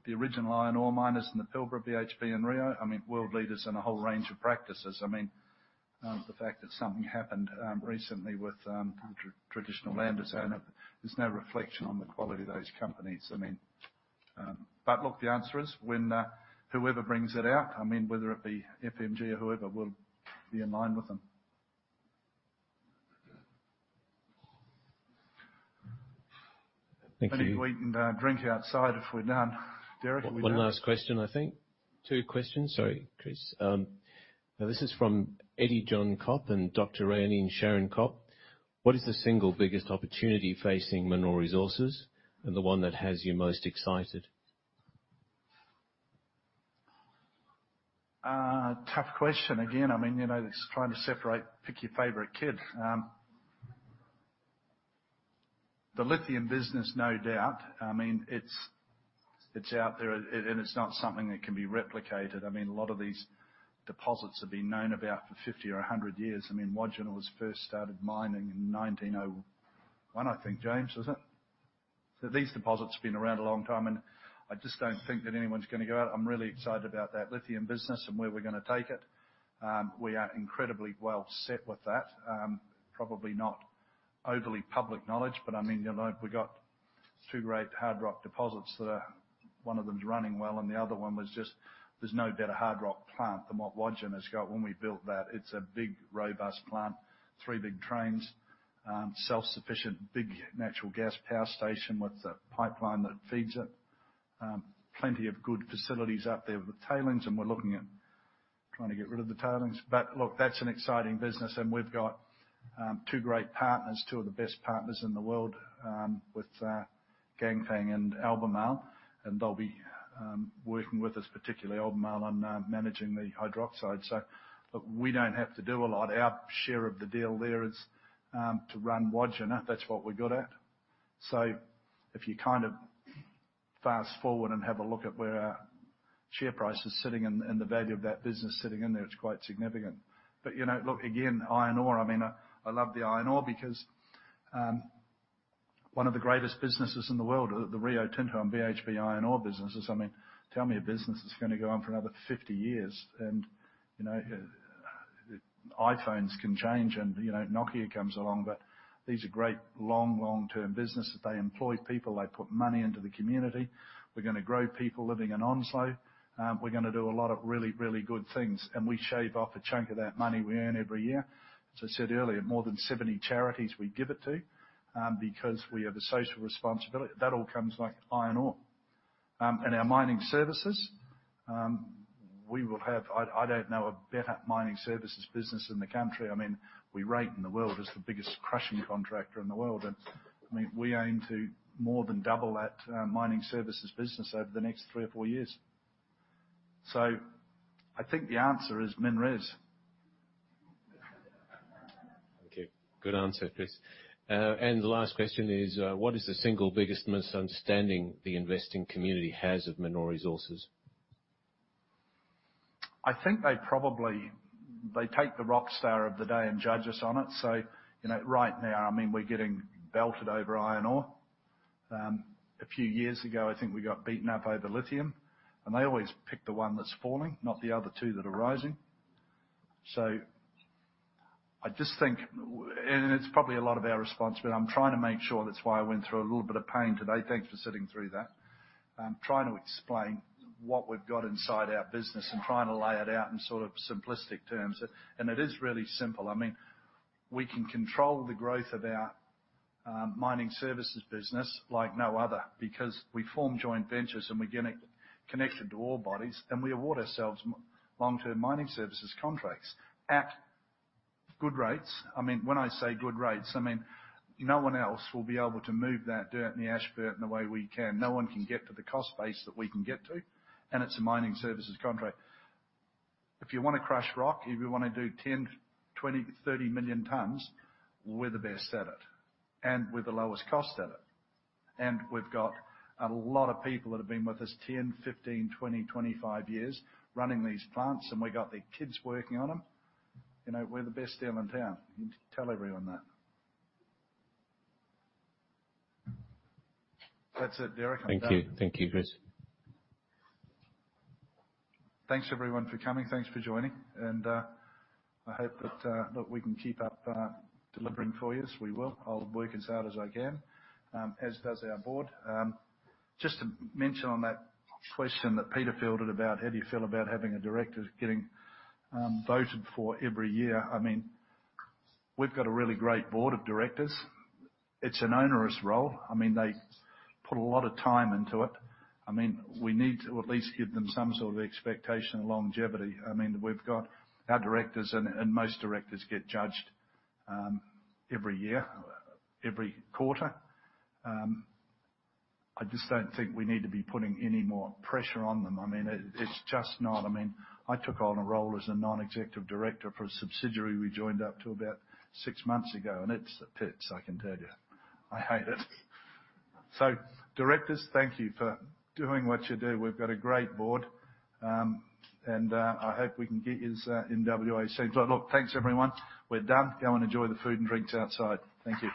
the original iron ore miners in the Pilbara, BHP and Rio, I mean, world leaders in a whole range of practices. I mean, the fact that something happened recently with traditional landowners is no reflection on the quality of those companies. I mean, look, the answer is when whoever brings it out, I mean, whether it be FMG or whoever, we'll be in line with them. Plenty to eat and drink outside if we're done. Derek, are we done? One last question, I think. Two questions, sorry, Chris. Now this is from Eddie John Copp and Dr. Rainey and Sharon Copp. What is the single biggest opportunity facing Mineral Resources and the one that has you most excited? Tough question. Again, I mean, you know, it's trying to separate, pick your favorite kid. The lithium business, no doubt. I mean, it's out there and it's not something that can be replicated. I mean, a lot of these deposits have been known about for 50 or 100 years. I mean, Wodgina was first started mining in 1901, I think, James, was it? So, these deposits have been around a long time, and I just don't think that anyone's gonna go out. I'm really excited about that lithium business and where we're gonna take it. We are incredibly well set with that. Probably not overly public knowledge, but I mean, you know, we got two great hard rock deposits that are one of them is running well, and the other one was just. There's no better hard rock plant than what Wodgina's got when we built that. It's a big, robust plant, three big trains, self-sufficient, big natural gas power station with a pipeline that feeds it. Plenty of good facilities up there with tailings, and we're looking at trying to get rid of the tailings. Look, that's an exciting business. We've got two great partners, two of the best partners in the world, with Ganfeng and Albemarle, and they'll be working with us, particularly Albemarle on managing the hydroxide. Look, we don't have to do a lot. Our share of the deal there is to run Wodgina. That's what we're good at. If you kind of fast-forward and have a look at where our share price is sitting and the value of that business sitting in there, it's quite significant. You know, look, again, iron ore. I mean, I love the iron ore because one of the greatest businesses in the world are the Rio Tinto and BHP iron ore businesses. I mean, tell me a business that's gonna go on for another 50 years and, you know, iPhones can change and, you know, Nokia comes along. But these are great long-term businesses. They employ people. They put money into the community. We're gonna grow people living in Onslow. We're gonna do a lot of really good things. We shave off a chunk of that money we earn every year. As I said earlier, more than 70 charities we give it to because we have a social responsibility. That all comes by iron ore. Our mining services, I don't know a better mining services business in the country. I mean, we rate in the world as the biggest crushing contractor in the world. I mean, we aim to more than double that mining services business over the next three or four years. I think the answer is MinRes. Okay. Good answer, Chris. The last question is, what is the single biggest misunderstanding the investing community has of Mineral Resources? I think they probably take the rock star of the day and judge us on it. You know, right now, I mean, we're getting belted over iron ore. A few years ago, I think we got beaten up over lithium. They always pick the one that's falling, not the other two that are rising. I just think it's probably a lot of our response, but I'm trying to make sure that's why I went through a little bit of pain today. Thanks for sitting through that. Trying to explain what we've got inside our business and trying to lay it out in sort of simplistic terms. It is really simple. I mean, we can control the growth of our mining services business like no other because we form joint ventures and we get connected to ore bodies, and we award ourselves multi-long-term mining services contracts at good rates. I mean, when I say good rates, I mean, no one else will be able to move that dirt in the Ashburton the way we can. No one can get to the cost base that we can get to, and it's a mining services contract. If you wanna crush rock, if you wanna do 10, 20, 30 million tons, we're the best at it and we're the lowest cost at it. We've got a lot of people that have been with us 10, 15, 20, 25 years running these plants, and we got their kids working on them. You know, we're the best damn in town. You can tell everyone that. That's it, Derek. I'm done. Thank you. Thank you, Chris. Thanks everyone for coming. Thanks for joining. I hope that, look, we can keep up delivering for you as we will. I'll work as hard as I can, as does our board. Just to mention on that question that Peter fielded about how do you feel about having a director getting voted for every year. I mean, we've got a really great board of directors. It's an onerous role. I mean, they put a lot of time into it. I mean, we need to at least give them some sort of expectation and longevity. I mean, we've got our directors and most directors get judged every year, every quarter. I just don't think we need to be putting any more pressure on them. I mean, it's just not. I mean, I took on a role as a non-executive director for a subsidiary we joined up to about six months ago, and it's the pits, I can tell you. I hate it. Directors, thank you for doing what you do. We've got a great board. I hope we can get yous in WAC. Look, thanks everyone. We're done. Go and enjoy the food and drinks outside. Thank you.